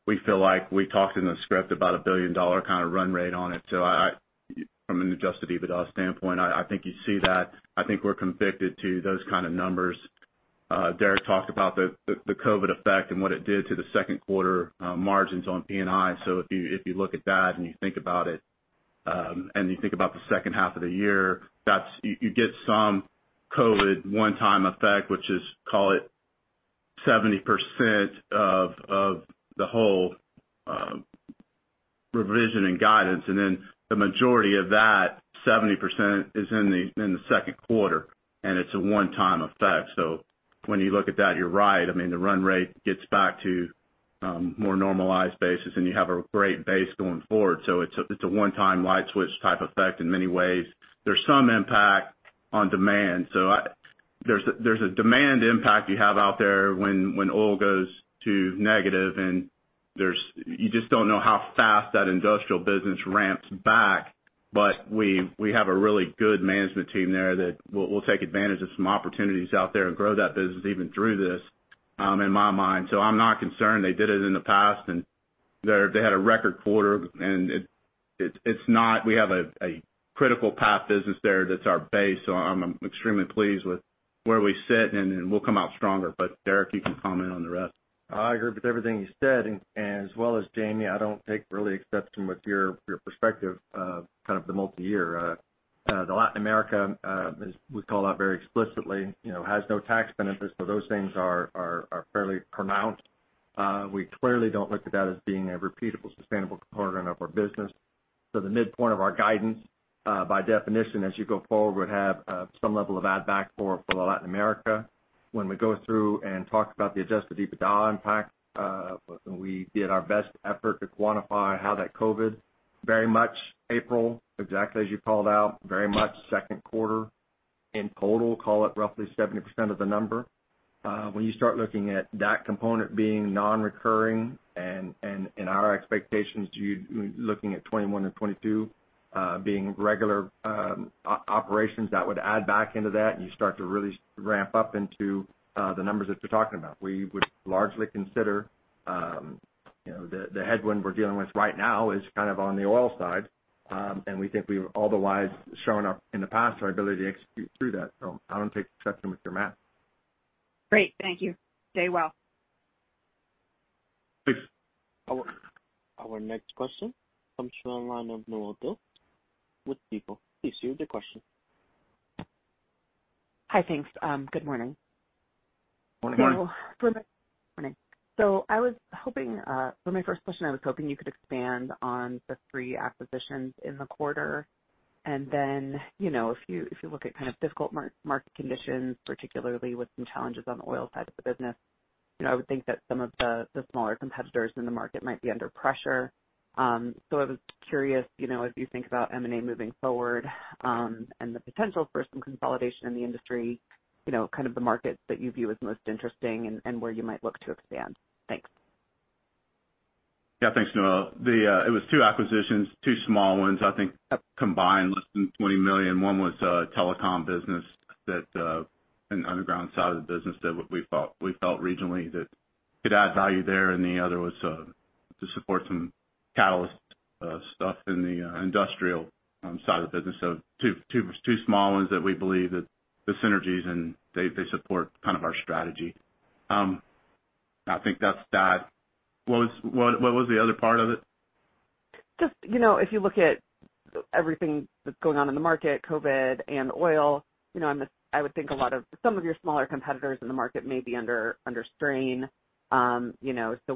we feel like we talked in the script about a billion-dollar kind of run rate on it. From an adjusted EBITDA standpoint, I think you see that. I think we're convicted to those kind of numbers. Derrick talked about the COVID effect and what it did to the second quarter margins on P&I. If you look at that and you think about it and you think about the second half of the year, you get some COVID one-time effect, which is, call it, 70% of the whole revision in guidance. The majority of that 70% is in the second quarter, and it is a one-time effect. When you look at that, you're right. I mean, the run rate gets back to more normalized bases, and you have a great base going forward. It is a one-time light switch type effect in many ways. There is some impact on demand. There is a demand impact you have out there when oil goes to negative, and you just don't know how fast that industrial business ramps back. We have a really good management team there that will take advantage of some opportunities out there and grow that business even through this, in my mind. I'm not concerned. They did it in the past, and they had a record quarter, and we have a critical path business there that's our base. I'm extremely pleased with where we sit, and we'll come out stronger. Derrick, you can comment on the rest. I agree with everything you said. As well as Jamie, I don't take really exception with your perspective of kind of the multi-year. The Latin America, as we call out very explicitly, has no tax benefits. Those things are fairly pronounced. We clearly don't look at that as being a repeatable sustainable corner of our business. The midpoint of our guidance, by definition, as you go forward, would have some level of add-back for the Latin America. When we go through and talk about the adjusted EBITDA impact, we did our best effort to quantify how that COVID very much April, exactly as you called out, very much second quarter in total, call it roughly 70% of the number. When you start looking at that component being non-recurring and in our expectations, looking at 2021 and 2022 being regular operations, that would add back into that, and you start to really ramp up into the numbers that you're talking about. We would largely consider the headwind we're dealing with right now is kind of on the oil side, and we think we've otherwise shown in the past our ability to execute through that. I don't take exception with your math. Great. Thank you. Stay well. Thanks. Our next question comes to the line of Noelle Dilts with Stifel. Please do with your question. Hi, thanks. Good morning. Morning. I was hoping for my first question, I was hoping you could expand on the three acquisitions in the quarter. If you look at kind of difficult market conditions, particularly with some challenges on the oil side of the business, I would think that some of the smaller competitors in the market might be under pressure. I was curious, as you think about M&A moving forward and the potential for some consolidation in the industry, kind of the markets that you view as most interesting and where you might look to expand. Thanks. Yeah. Thanks, Noelle. It was two acquisitions, two small ones. I think combined, less than $20 million. One was a telecom business that an underground side of the business that we felt regionally that could add value there, and the other was to support some catalyst stuff in the industrial side of the business. Two small ones that we believe that the synergies, and they support kind of our strategy. I think that's that. What was the other part of it? Just if you look at everything that's going on in the market, COVID and oil, I would think a lot of some of your smaller competitors in the market may be under strain.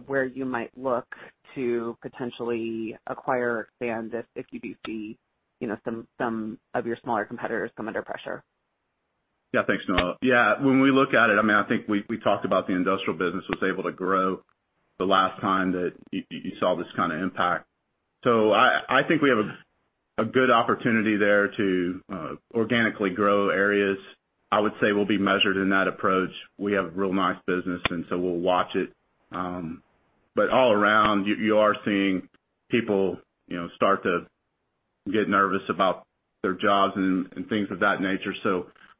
Where you might look to potentially acquire or expand if you do see some of your smaller competitors come under pressure. Yeah. Thanks, Noelle. Yeah. When we look at it, I mean, I think we talked about the industrial business was able to grow the last time that you saw this kind of impact. I think we have a good opportunity there to organically grow areas. I would say we'll be measured in that approach. We have real nice business, and we'll watch it. All around, you are seeing people start to get nervous about their jobs and things of that nature.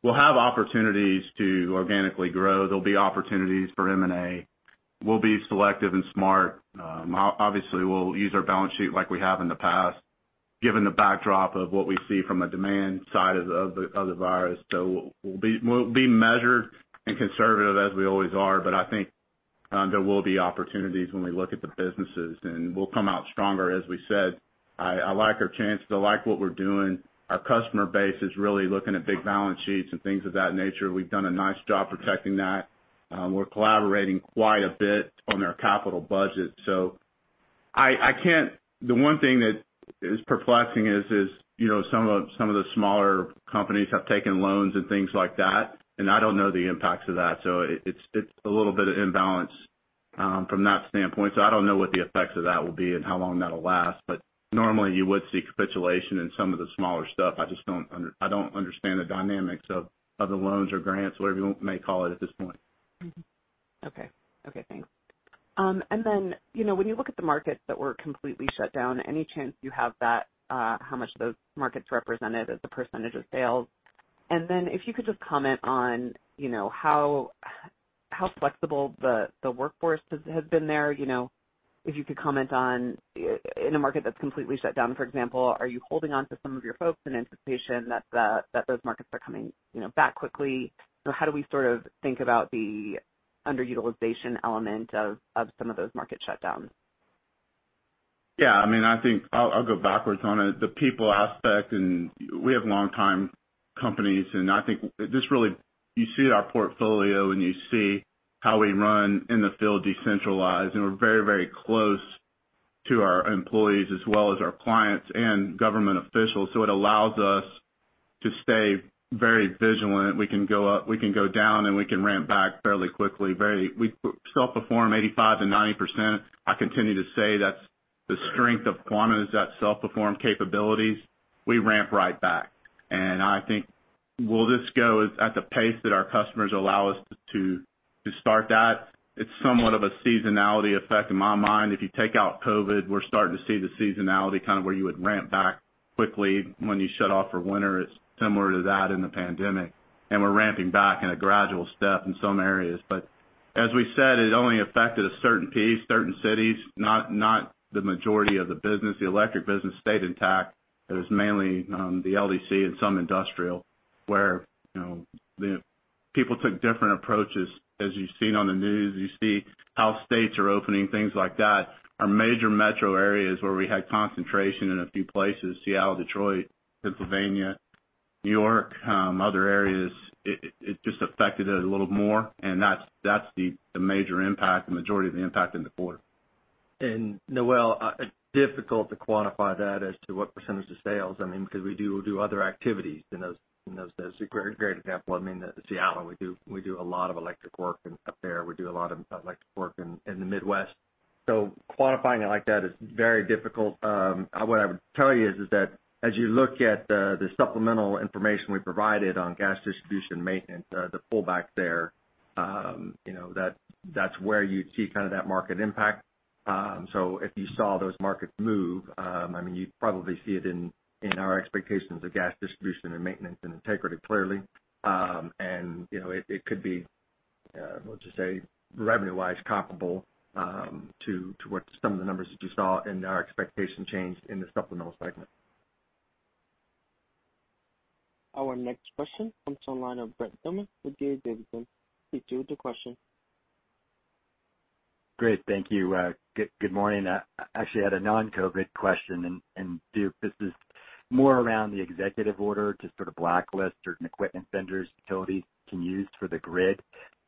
We'll have opportunities to organically grow. There'll be opportunities for M&A. We'll be selective and smart. Obviously, we'll use our balance sheet like we have in the past, given the backdrop of what we see from a demand side of the virus. We will be measured and conservative as we always are, but I think there will be opportunities when we look at the businesses, and we will come out stronger. As we said, I like our chances. I like what we are doing. Our customer base is really looking at big balance sheets and things of that nature. We have done a nice job protecting that. We are collaborating quite a bit on their capital budget. The one thing that is perplexing is some of the smaller companies have taken loans and things like that, and I do not know the impacts of that. It is a little bit of imbalance from that standpoint. I do not know what the effects of that will be and how long that will last. Normally, you would see capitulation in some of the smaller stuff. I just don't understand the dynamics of the loans or grants, whatever you may call it at this point. Okay. Okay. Thanks. When you look at the markets that were completely shut down, any chance you have that, how much those markets represented as a percentage of sales? If you could just comment on how flexible the workforce has been there, if you could comment on in a market that's completely shut down, for example, are you holding on to some of your folks in anticipation that those markets are coming back quickly? How do we sort of think about the underutilization element of some of those market shutdowns? Yeah. I mean, I think I'll go backwards on it. The people aspect, and we have long-time companies, and I think this really you see our portfolio, and you see how we run in the field decentralized. We're very, very close to our employees as well as our clients and government officials. It allows us to stay very vigilant. We can go up, we can go down, and we can ramp back fairly quickly. We self-perform 85%-90%. I continue to say that's the strength of Quanta, is that self-perform capabilities. We ramp right back. I think we'll just go at the pace that our customers allow us to start that. It's somewhat of a seasonality effect in my mind. If you take out COVID-19, we're starting to see the seasonality kind of where you would ramp back quickly when you shut off for winter. It's similar to that in the pandemic. We're ramping back in a gradual step in some areas. As we said, it only affected a certain piece, certain cities, not the majority of the business. The electric business stayed intact. It was mainly the LDC and some industrial where people took different approaches. As you've seen on the news, you see how states are opening, things like that. Our major metro areas where we had concentration in a few places, Seattle, Detroit, Pennsylvania, New York, other areas, it just affected it a little more. That is the major impact, the majority of the impact in the quarter. Noel, difficult to quantify that as to what percentage of sales. I mean, because we do other activities in those areas. Great example. I mean, Seattle, we do a lot of electric work up there. We do a lot of electric work in the Midwest. Quantifying it like that is very difficult. What I would tell you is that as you look at the supplemental information we provided on gas distribution maintenance, the pullback there, that's where you'd see kind of that market impact. If you saw those markets move, I mean, you'd probably see it in our expectations of gas distribution and maintenance and integrity clearly. It could be, let's just say, revenue-wise comparable to what some of the numbers that you saw in our expectation change in the supplemental segment. Our next question comes to the line of Brent Thielman with the D.A. Davidson. Please do with your question. Great. Thank you. Good morning. I actually had a non-COVID question. This is more around the executive order to sort of blacklist certain equipment vendors utilities can use for the grid.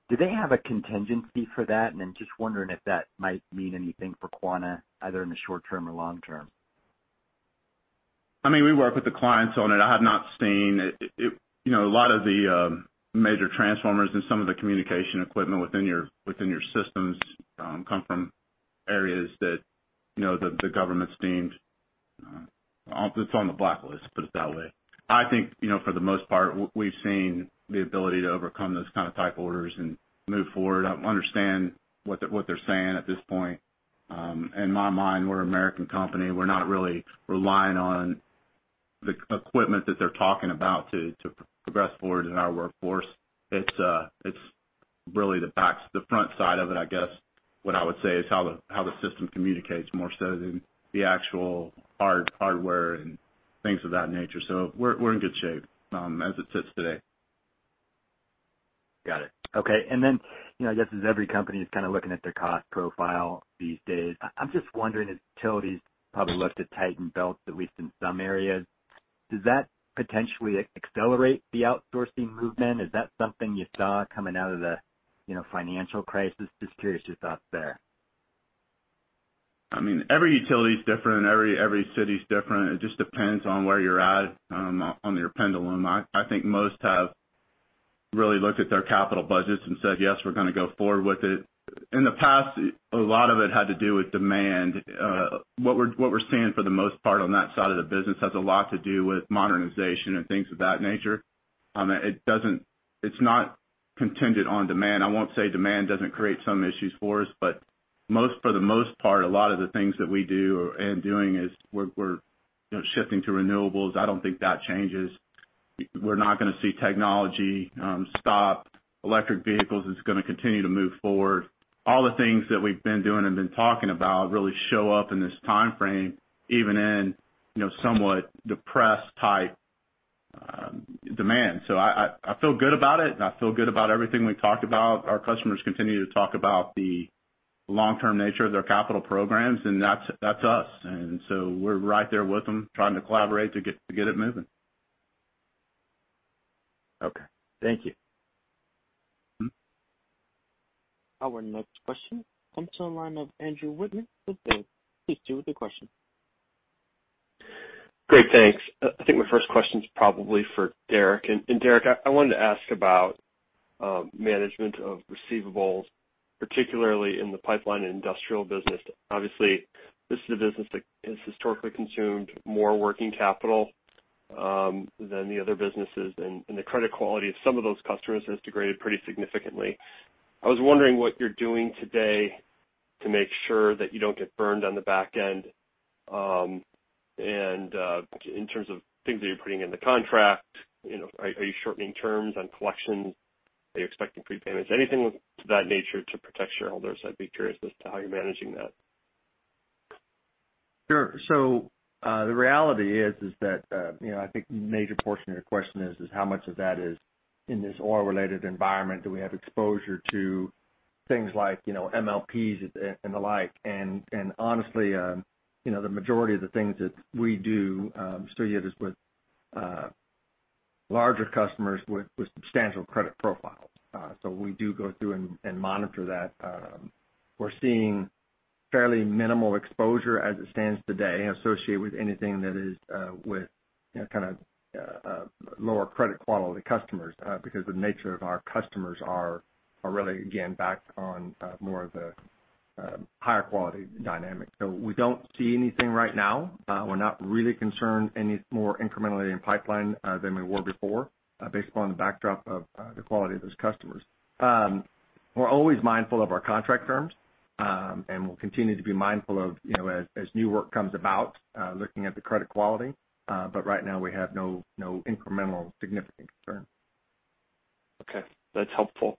Do they have a contingency for that? I'm just wondering if that might mean anything for Quanta, either in the short term or long term. I mean, we work with the clients on it. I have not seen a lot of the major transformers and some of the communication equipment within your systems come from areas that the government's deemed it's on the blacklist, put it that way. I think for the most part, we've seen the ability to overcome those kind of type orders and move forward. I understand what they're saying at this point. In my mind, we're an American company. We're not really relying on the equipment that they're talking about to progress forward in our workforce. It's really the front side of it, I guess. What I would say is how the system communicates more so than the actual hardware and things of that nature. We're in good shape as it sits today. Got it. Okay. I guess as every company is kind of looking at their cost profile these days, I'm just wondering as utilities probably look to tighten belts, at least in some areas, does that potentially accelerate the outsourcing movement? Is that something you saw coming out of the financial crisis? Just curious your thoughts there. I mean, every utility is different. Every city is different. It just depends on where you're at on your pendulum. I think most have really looked at their capital budgets and said, "Yes, we're going to go forward with it." In the past, a lot of it had to do with demand. What we're seeing for the most part on that side of the business has a lot to do with modernization and things of that nature. It's not contingent on demand. I won't say demand doesn't create some issues for us, but for the most part, a lot of the things that we do and doing is we're shifting to renewables. I don't think that changes. We're not going to see technology stop. Electric vehicles is going to continue to move forward. All the things that we've been doing and been talking about really show up in this timeframe, even in somewhat depressed type demand. I feel good about it, and I feel good about everything we talked about. Our customers continue to talk about the long-term nature of their capital programs, and that's us. We are right there with them trying to collaborate to getit moving. Okay. Thank you. Our next question comes to the line of Andrew Wittmann with Baird. Please do with your question. Great. Thanks. I think my first question is probably for Derrick. Derrick, I wanted to ask about management of receivables, particularly in the pipeline and industrial business. Obviously, this is a business that has historically consumed more working capital than the other businesses, and the credit quality of some of those customers has degraded pretty significantly. I was wondering what you're doing today to make sure that you don't get burned on the back end. In terms of things that you're putting in the contract, are you shortening terms on collections? Are you expecting prepayments? Anything of that nature to protect shareholders? I'd be curious as to how you're managing that. Sure. The reality is that I think a major portion of your question is how much of that is in this oil-related environment. Do we have exposure to things like MLPs and the like? Honestly, the majority of the things that we do still yet is with larger customers with substantial credit profiles. We do go through and monitor that. We're seeing fairly minimal exposure as it stands today associated with anything that is with kind of lower credit quality customers because the nature of our customers are really, again, back on more of the higher quality dynamic. We do not see anything right now. We're not really concerned any more incrementally in pipeline than we were before based upon the backdrop of the quality of those customers. We're always mindful of our contract terms, and we'll continue to be mindful of as new work comes about looking at the credit quality. Right now, we have no incremental significant concern. Okay. That's helpful.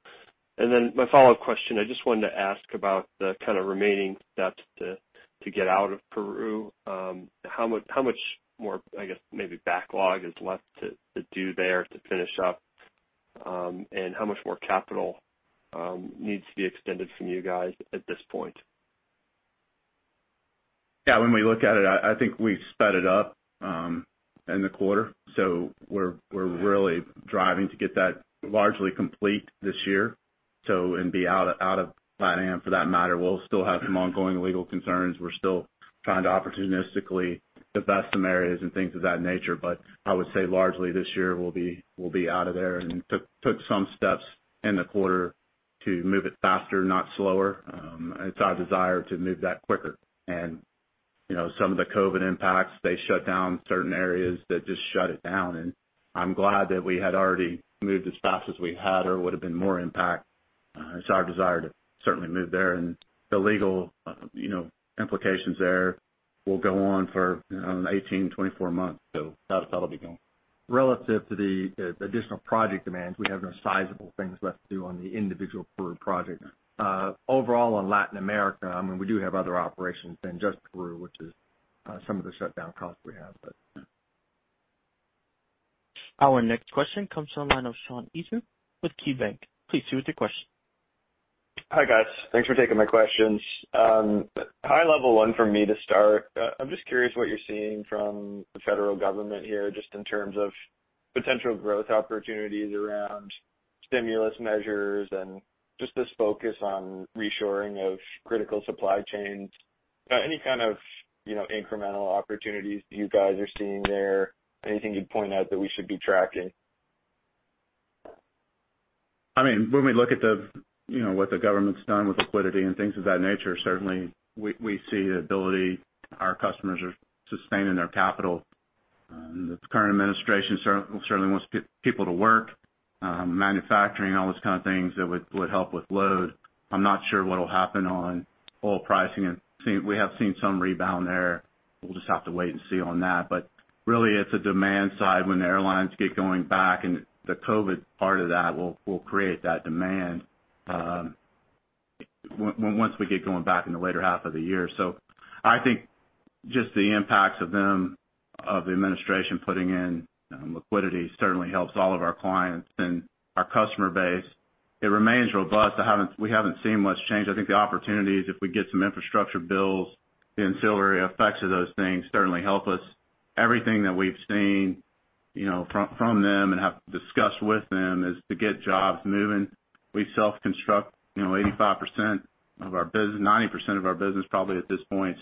My follow-up question, I just wanted to ask about the kind of remaining steps to get out of Peru. How much more, I guess, maybe backlog is left to do there to finish up? And how much more capital needs to be extended from you guys at this point? Yeah. When we look at it, I think we've sped it up in the quarter. We are really driving to get that largely complete this year and be out of planned for that matter. We'll still have some ongoing legal concerns. We're still trying to opportunistically invest in areas and things of that nature. I would say largely this year we'll be out of there and took some steps in the quarter to move it faster, not slower. It's our desire to move that quicker. Some of the COVID-19 impacts, they shut down certain areas that just shut it down. I'm glad that we had already moved as fast as we had or it would have been more impact. It's our desire to certainly move there. The legal implications there will go on for 18-24 months. That will be going. Relative to the additional project demands, we have no sizable things left to do on the individual Peru project. Overall, in Latin America, I mean, we do have other operations than just Peru, which is some of the shutdown costs we have. Our next question comes to the line of Sean Eastman with KeyBanc. Please do with your question. Hi guys. Thanks for taking my questions. High level one for me to start, I'm just curious what you're seeing from the federal government here just in terms of potential growth opportunities around stimulus measures and just this focus on reshoring of critical supply chains. Any kind of incremental opportunities you guys are seeing there? Anything you'd point out that we should be tracking? I mean, when we look at what the government's done with liquidity and things of that nature, certainly we see the ability our customers are sustaining their capital. The current administration certainly wants people to work, manufacturing, all those kind of things that would help with load. I'm not sure what will happen on oil pricing. We have seen some rebound there. We'll just have to wait and see on that. Really, it is a demand side when the airlines get going back, and the COVID part of that will create that demand once we get going back in the later half of the year. I think just the impacts of them, of the administration putting in liquidity, certainly helps all of our clients and our customer base. It remains robust. We have not seen much change. I think the opportunities, if we get some infrastructure bills, the ancillary effects of those things certainly help us. Everything that we have seen from them and have discussed with them is to get jobs moving. We self-construct 85% of our business, 90% of our business probably at this point.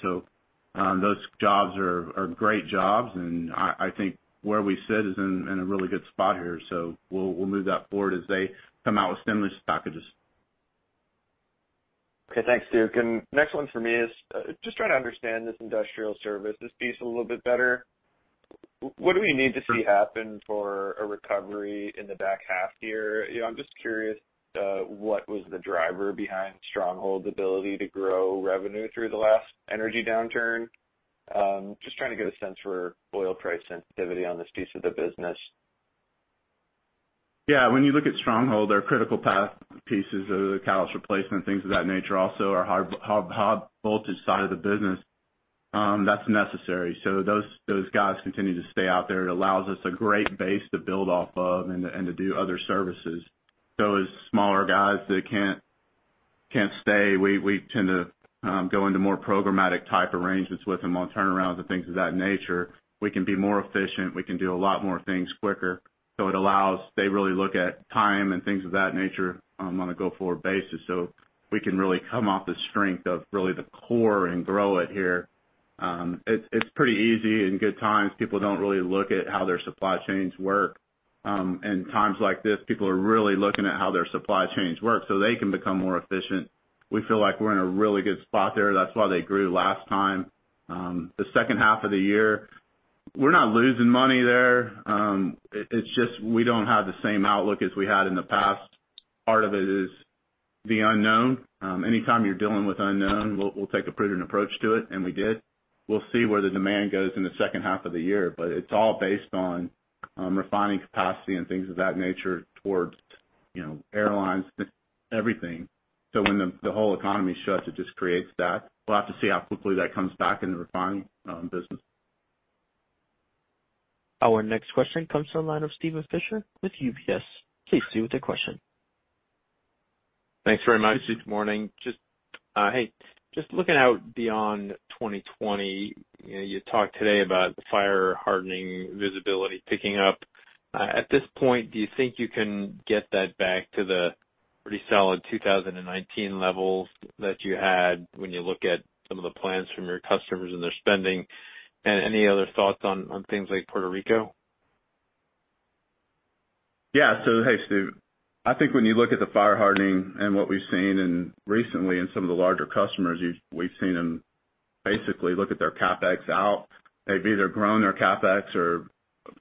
Those jobs are great jobs. I think where we sit is in a really good spot here. We will move that forward as they come out with stimulus packages. Okay. Thanks, Duke. Next one for me is just trying to understand this industrial service, this piece a little bit better. What do we need to see happen for a recovery in the back half year? I'm just curious what was the driver behind Stronghold's ability to grow revenue through the last energy downturn? Just trying to get a sense for oil price sensitivity on this piece of the business. Yeah. When you look at Stronghold, there are critical path pieces of the callous replacement, things of that nature. Also our high voltage side of the business, that's necessary. Those guys continue to stay out there. It allows us a great base to build off of and to do other services. As smaller guys that can't stay, we tend to go into more programmatic type arrangements with them on turnarounds and things of that nature. We can be more efficient. We can do a lot more things quicker. It allows they really look at time and things of that nature on a go-forward basis. We can really come off the strength of really the core and grow it here. It's pretty easy in good times. People don't really look at how their supply chains work. In times like this, people are really looking at how their supply chains work so they can become more efficient. We feel like we're in a really good spot there. That's why they grew last time. The second half of the year, we're not losing money there. It's just we don't have the same outlook as we had in the past. Part of it is the unknown. Anytime you're dealing with unknown, we'll take a prudent approach to it, and we did. We'll see where the demand goes in the second half of the year. It is all based on refining capacity and things of that nature towards airlines, everything. When the whole economy shuts, it just creates that. We will have to see how quickly that comes back in the refining business. Our next question comes to the line of Steven Fisher with UBS. Please do with your question. Thanks very much. Good morning. Hey, just looking out beyond 2020, you talked today about the fire hardening visibility picking up. At this point, do you think you can get that back to the pretty solid 2019 levels that you had when you look at some of the plans from your customers and their spending? Any other thoughts on things like Puerto Rico? Yeah. Hey, Steven, I think when you look at the fire hardening and what we've seen recently in some of the larger customers, we've seen them basically look at their CapEx out. They've either grown their CapEx or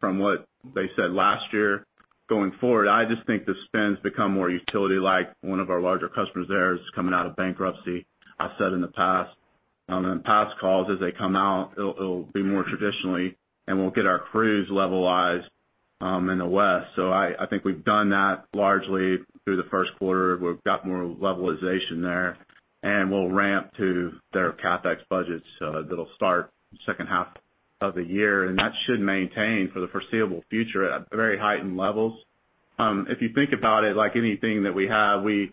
from what they said last year going forward. I just think the spend has become more utility-like. One of our larger customers there is coming out of bankruptcy, I said in the past. On past calls, as they come out, it'll be more traditionally, and we'll get our crews levelized in the west. I think we've done that largely through the first quarter. We've got more levelization there, and we'll ramp to their CapEx budgets that'll start second half of the year. That should maintain for the foreseeable future at very heightened levels. If you think about it, like anything that we have, we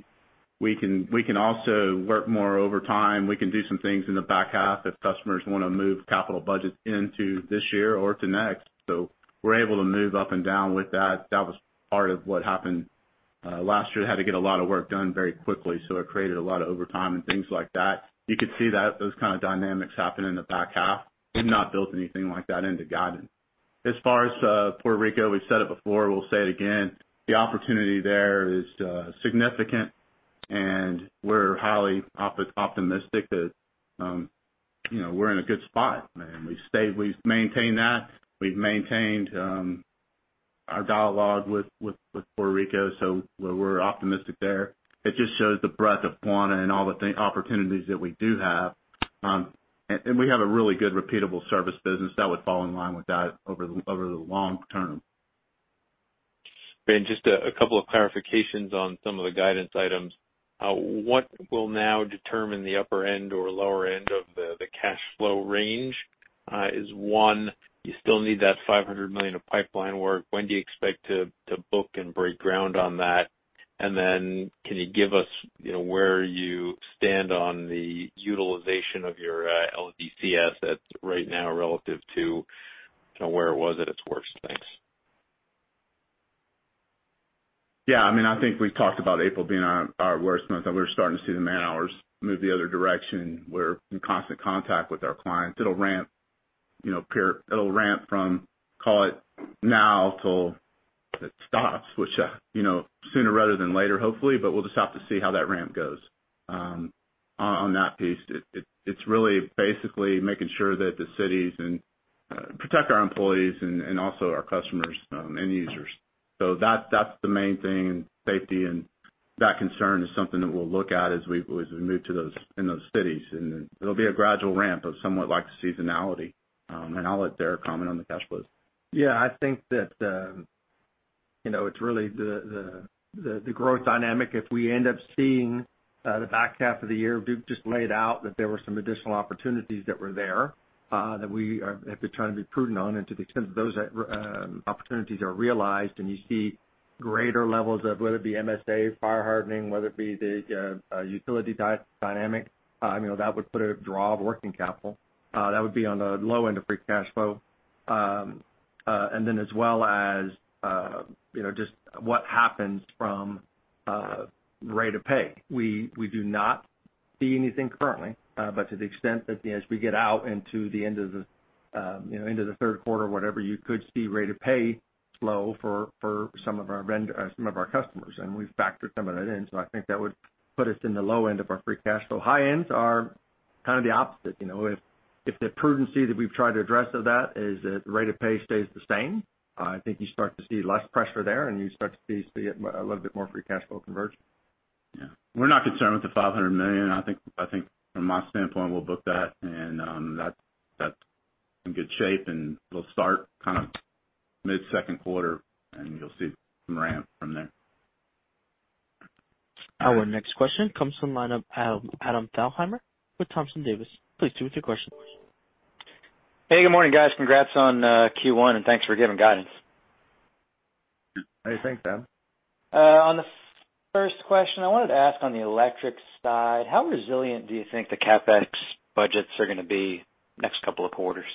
can also work more over time. We can do some things in the back half if customers want to move capital budgets into this year or to next. We are able to move up and down with that. That was part of what happened last year. Had to get a lot of work done very quickly. It created a lot of overtime and things like that. You could see those kind of dynamics happen in the back half. We have not built anything like that into guidance. As far as Puerto Rico, we have said it before. We will say it again. The opportunity there is significant, and we are highly optimistic that we are in a good spot. We have maintained that. We have maintained our dialogue with Puerto Rico. We are optimistic there. It just shows the breadth of Quanta and all the opportunities that we do have. We have a really good repeatable service business that would fall in line with that over the long term. Just a couple of clarifications on some of the guidance items. What will now determine the upper end or lower end of the cash flow range? Is one, you still need that $500 million of pipeline work. When do you expect to book and break ground on that? Can you give us where you stand on the utilization of your LDCs right now relative to where it was at its worst? Thanks. Yeah. I mean, I think we've talked about April being our worst month. We're starting to see the man hours move the other direction. We're in constant contact with our clients. It'll ramp from, call it now till it stops, which is sooner rather than later, hopefully. We'll just have to see how that ramp goes. On that piece, it's really basically making sure that the cities protect our employees and also our customers and users. That's the main thing. Safety and that concern is something that we'll look at as we move to those cities. It'll be a gradual ramp of somewhat like seasonality. I'll let Derrick comment on the cash flow. Yeah. I think that it's really the growth dynamic. If we end up seeing the back half of the year, Duke just laid out that there were some additional opportunities that were there that we have to try to be prudent on. To the extent that those opportunities are realized and you see greater levels of whether it be MSA, fire hardening, whether it be the utility dynamic, that would put a draw of working capital. That would be on the low end of free cash flow. As well as just what happens from rate of pay. We do not see anything currently. To the extent that as we get out into the end of the third quarter, whatever you could see rate of pay flow for some of our customers. We have factored some of that in. I think that would put us in the low end of our free cash flow. High ends are kind of the opposite. If the prudency that we have tried to address of that is that rate of pay stays the same, I think you start to see less pressure there, and you start to see a little bit more free cash flow conversion. Yeah. We are not concerned with the $500 million. I think from my standpoint, we will book that. That is in good shape. We'll start kind of mid-second quarter, and you'll see some ramp from there. Our next question comes to the line of Adam Thalhimer with Thompson Davis. Please do with your question. Hey, good morning, guys. Congrats on Q1, and thanks for giving guidance. Hey, thanks, Adam. On the first question, I wanted to ask on the electric side, how resilient do you think the CapEx budgets are going to be next couple of quarters?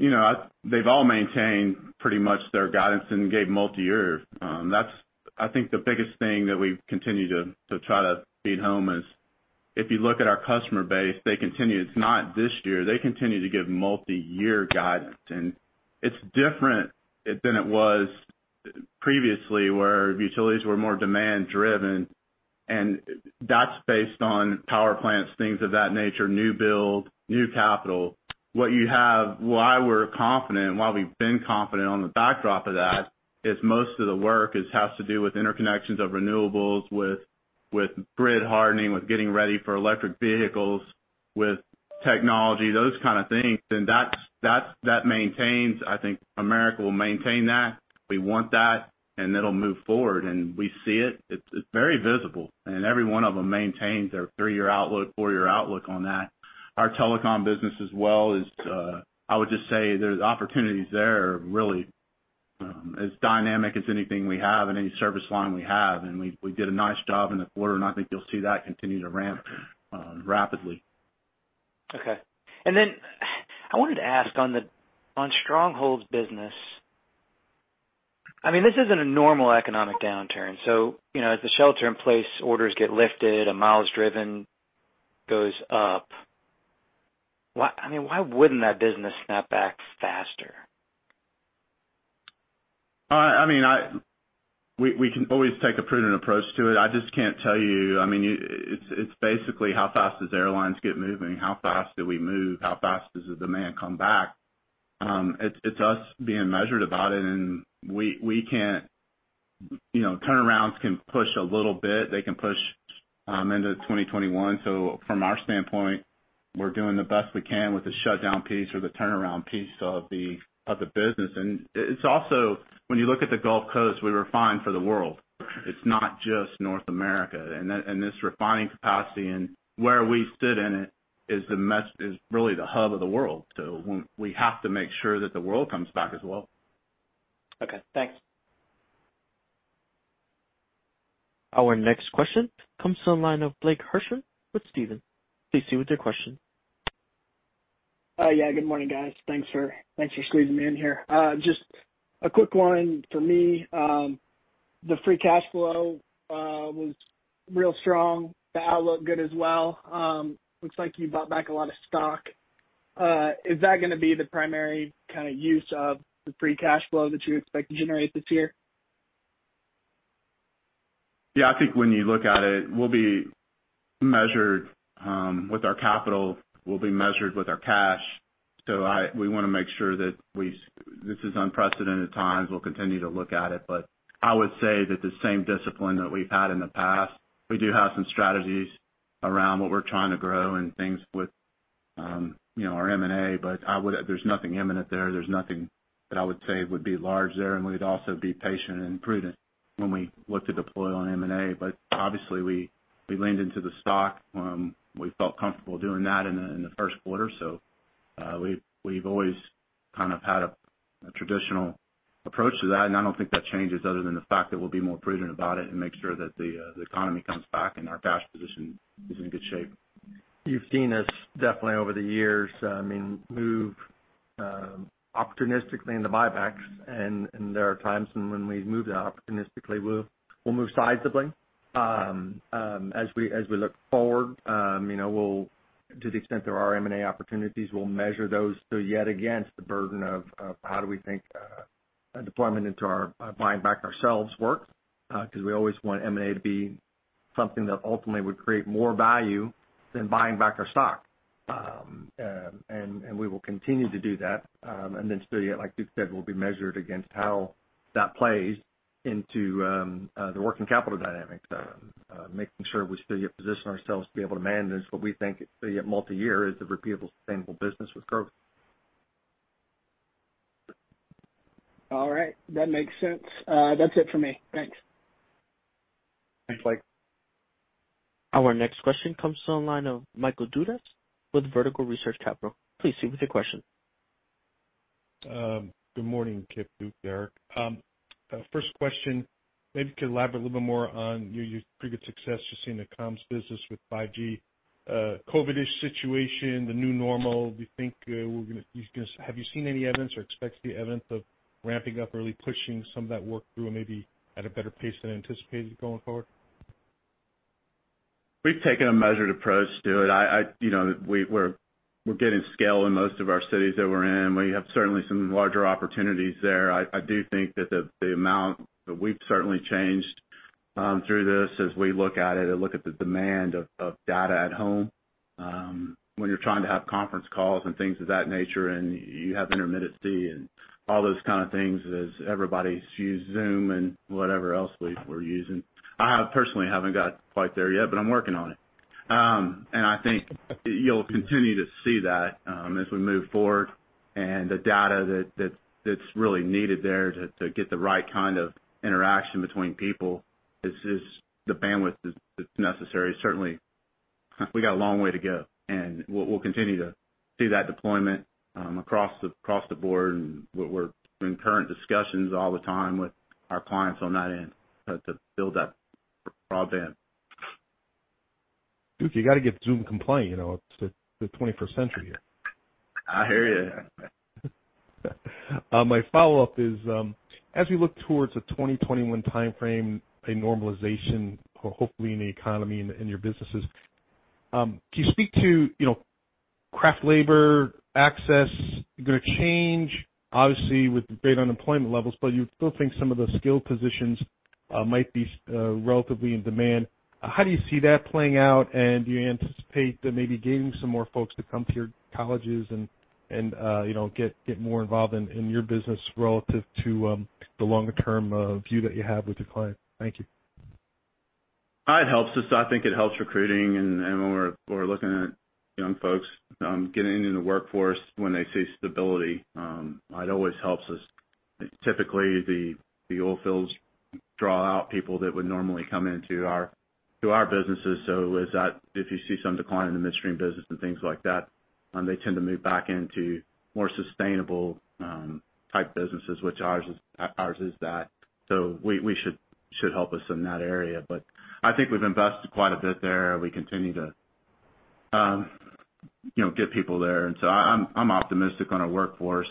They've all maintained pretty much their guidance and gave multi-year. I think the biggest thing that we've continued to try to beat home is if you look at our customer base, they continued—it's not this year—they continue to give multi-year guidance. And it's different than it was previously where utilities were more demand-driven. And that's based on power plants, things of that nature, new build, new capital. What you have—why we're confident, why we've been confident on the backdrop of that is most of the work has to do with interconnections of renewables, with grid hardening, with getting ready for electric vehicles, with technology, those kind of things. That maintains, I think America will maintain that. We want that, and it'll move forward. We see it. It's very visible. Every one of them maintains their three-year outlook, four-year outlook on that. Our telecom business as well is—I would just say there's opportunities there really as dynamic as anything we have and any service line we have. We did a nice job in the quarter. I think you'll see that continue to ramp rapidly. Okay. I wanted to ask on Stronghold's business. I mean, this isn't a normal economic downturn. As the shelter-in-place orders get lifted, as miles driven goes up, I mean, why wouldn't that business snap back faster? I mean, we can always take a prudent approach to it. I just can't tell you. I mean, it's basically how fast do airlines get moving? How fast do we move? How fast does the demand come back? It's us being measured about it. We can't—turnarounds can push a little bit. They can push into 2021. From our standpoint, we're doing the best we can with the shutdown piece or the turnaround piece of the business. It's also when you look at the Gulf Coast, we refine for the world. It's not just North America. This refining capacity and where we sit in it is really the hub of the world. We have to make sure that the world comes back as well. Okay. Thanks. Our next question comes to the line of Blake Hirschman with Stephens. Please do with your question. Yeah. Good morning, guys. Thanks for squeezing me in here. Just a quick one for me. The free cash flow was real strong. The outlook good as well. Looks like you bought back a lot of stock. Is that going to be the primary kind of use of the free cash flow that you expect to generate this year? Yeah. I think when you look at it, we'll be measured with our capital. We'll be measured with our cash. We want to make sure that this is unprecedented times. We'll continue to look at it. I would say that the same discipline that we've had in the past. We do have some strategies around what we're trying to grow and things with our M&A. There is nothing imminent there. There's nothing that I would say would be large there. We'd also be patient and prudent when we look to deploy on M&A. Obviously, we leaned into the stock. We felt comfortable doing that in the first quarter. We've always kind of had a traditional approach to that. I don't think that changes other than the fact that we'll be more prudent about it and make sure that the economy comes back and our cash position is in good shape. You've seen us definitely over the years, I mean, move opportunistically in the buybacks. There are times when we move opportunistically. We'll move sizably as we look forward. To the extent there are M&A opportunities, we'll measure those. Yet again, it's the burden of how do we think a deployment into our buying back ourselves works because we always want M&A to be something that ultimately would create more value than buying back our stock. We will continue to do that. Still, like you said, we'll be measured against how that plays into the working capital dynamics. Making sure we still get position ourselves to be able to manage what we think at multi-year is a repeatable sustainable business with growth. All right. That makes sense. That's it for me. Thanks. Thanks, Blake. Our next question comes to the line of Michael Dudas with Vertical Research Partners. Please do with your question. Good morning, Kip, Duke, Derrick. First question, maybe you could elaborate a little bit more on your pretty good success just seeing the comms business with 5G. COVID-ish situation, the new normal, do you think you're going to have you seen any evidence or expect the evidence of ramping up early, pushing some of that work through and maybe at a better pace than anticipated going forward? We've taken a measured approach to it. We're getting scale in most of our cities that we're in. We have certainly some larger opportunities there. I do think that the amount that we've certainly changed through this as we look at it and look at the demand of data at home. When you're trying to have conference calls and things of that nature and you have intermittency and all those kind of things as everybody's used Zoom and whatever else we're using. I personally haven't got quite there yet, but I'm working on it. I think you'll continue to see that as we move forward. The data that's really needed there to get the right kind of interaction between people is the bandwidth that's necessary. Certainly, we got a long way to go. We'll continue to see that deployment across the board. We're in current discussions all the time with our clients on that end to build that broadband. Duke, you got to get Zoom compliant. It's the 21st century here. I hear you. My follow-up is, as we look towards a 2021 timeframe, a normalization, hopefully in the economy and your businesses, can you speak to craft labor access? You're going to change, obviously, with great unemployment levels, but you still think some of the skilled positions might be relatively in demand. How do you see that playing out? Do you anticipate maybe gaining some more folks to come to your colleges and get more involved in your business relative to the longer-term view that you have with your clients? Thank you. It helps us. I think it helps recruiting and when we're looking at young folks getting into the workforce when they see stability. It always helps us. Typically, the oil fields draw out people that would normally come into our businesses. If you see some decline in the midstream business and things like that, they tend to move back into more sustainable-type businesses, which ours is that. We should help us in that area. I think we've invested quite a bit there. We continue to get people there. I am optimistic on our workforce.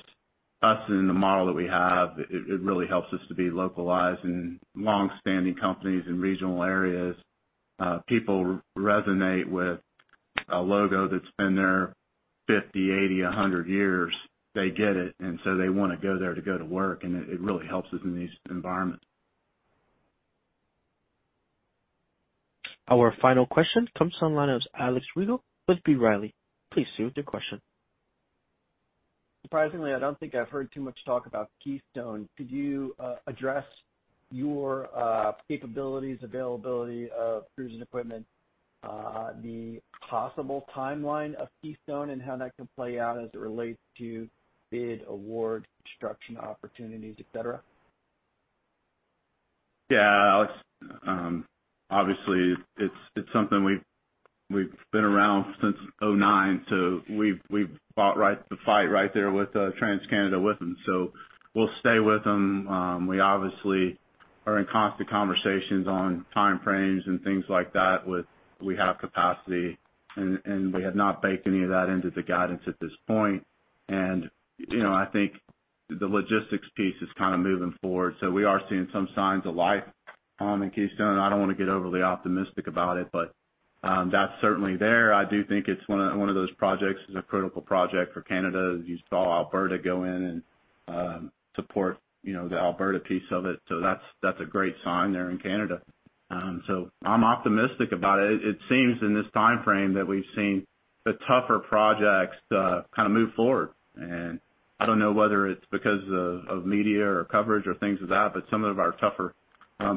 Us in the model that we have, it really helps us to be localized in long-standing companies in regional areas. People resonate with a logo that's been there 50, 80, 100 years. They get it. They want to go there to go to work. It really helps us in these environments. Our final question comes to the line of Alex Riegel with B. Riley. Please do with your question. Surprisingly, I don't think I've heard too much talk about Keystone. Could you address your capabilities, availability of crews, equipment, the possible timeline of Keystone and how that can play out as it relates to bid, award, construction opportunities, etc.? Yeah. Obviously, it's something we've been around since 2009. We've fought the fight right there with TransCanada with them. We'll stay with them. We obviously are in constant conversations on timeframes and things like that with. We have capacity. We have not baked any of that into the guidance at this point. I think the logistics piece is kind of moving forward. We are seeing some signs of life in Keystone. I do not want to get overly optimistic about it, but that is certainly there. I do think it is one of those projects that is a critical project for Canada. You saw Alberta go in and support the Alberta piece of it. That is a great sign there in Canada. I am optimistic about it. It seems in this timeframe that we have seen the tougher projects kind of move forward. I do not know whether it is because of media or coverage or things of that, but some of our tougher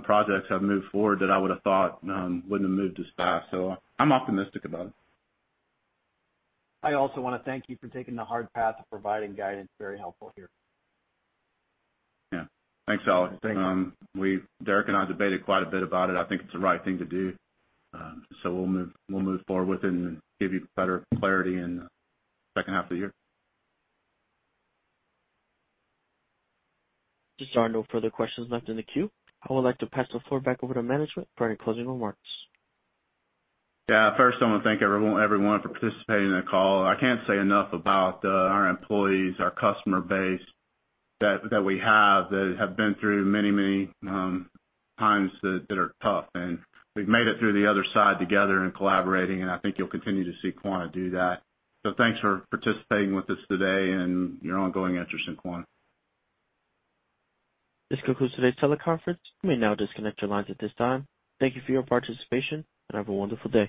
projects have moved forward that I would have thought would not have moved this fast. I am optimistic about it. I also want to thank you for taking the hard path of providing guidance. Very helpful here. Yeah. Thanks, Alex. Thanks. Derrick and I debated quite a bit about it. I think it is the right thing to do. We will move forward with it and give you better clarity in the second half of the year. Just so I know further questions left in the queue, I would like to pass the floor back over to management for any closing remarks. Yeah. First, I want to thank everyone for participating in the call. I can't say enough about our employees, our customer base that we have that have been through many, many times that are tough. We've made it through the other side together and collaborating. I think you'll continue to see Quanta do that. Thanks for participating with us today and your ongoing interest in Quanta. This concludes today's teleconference. We may now disconnect your lines at this time. Thank you for your participation, and have a wonderful day.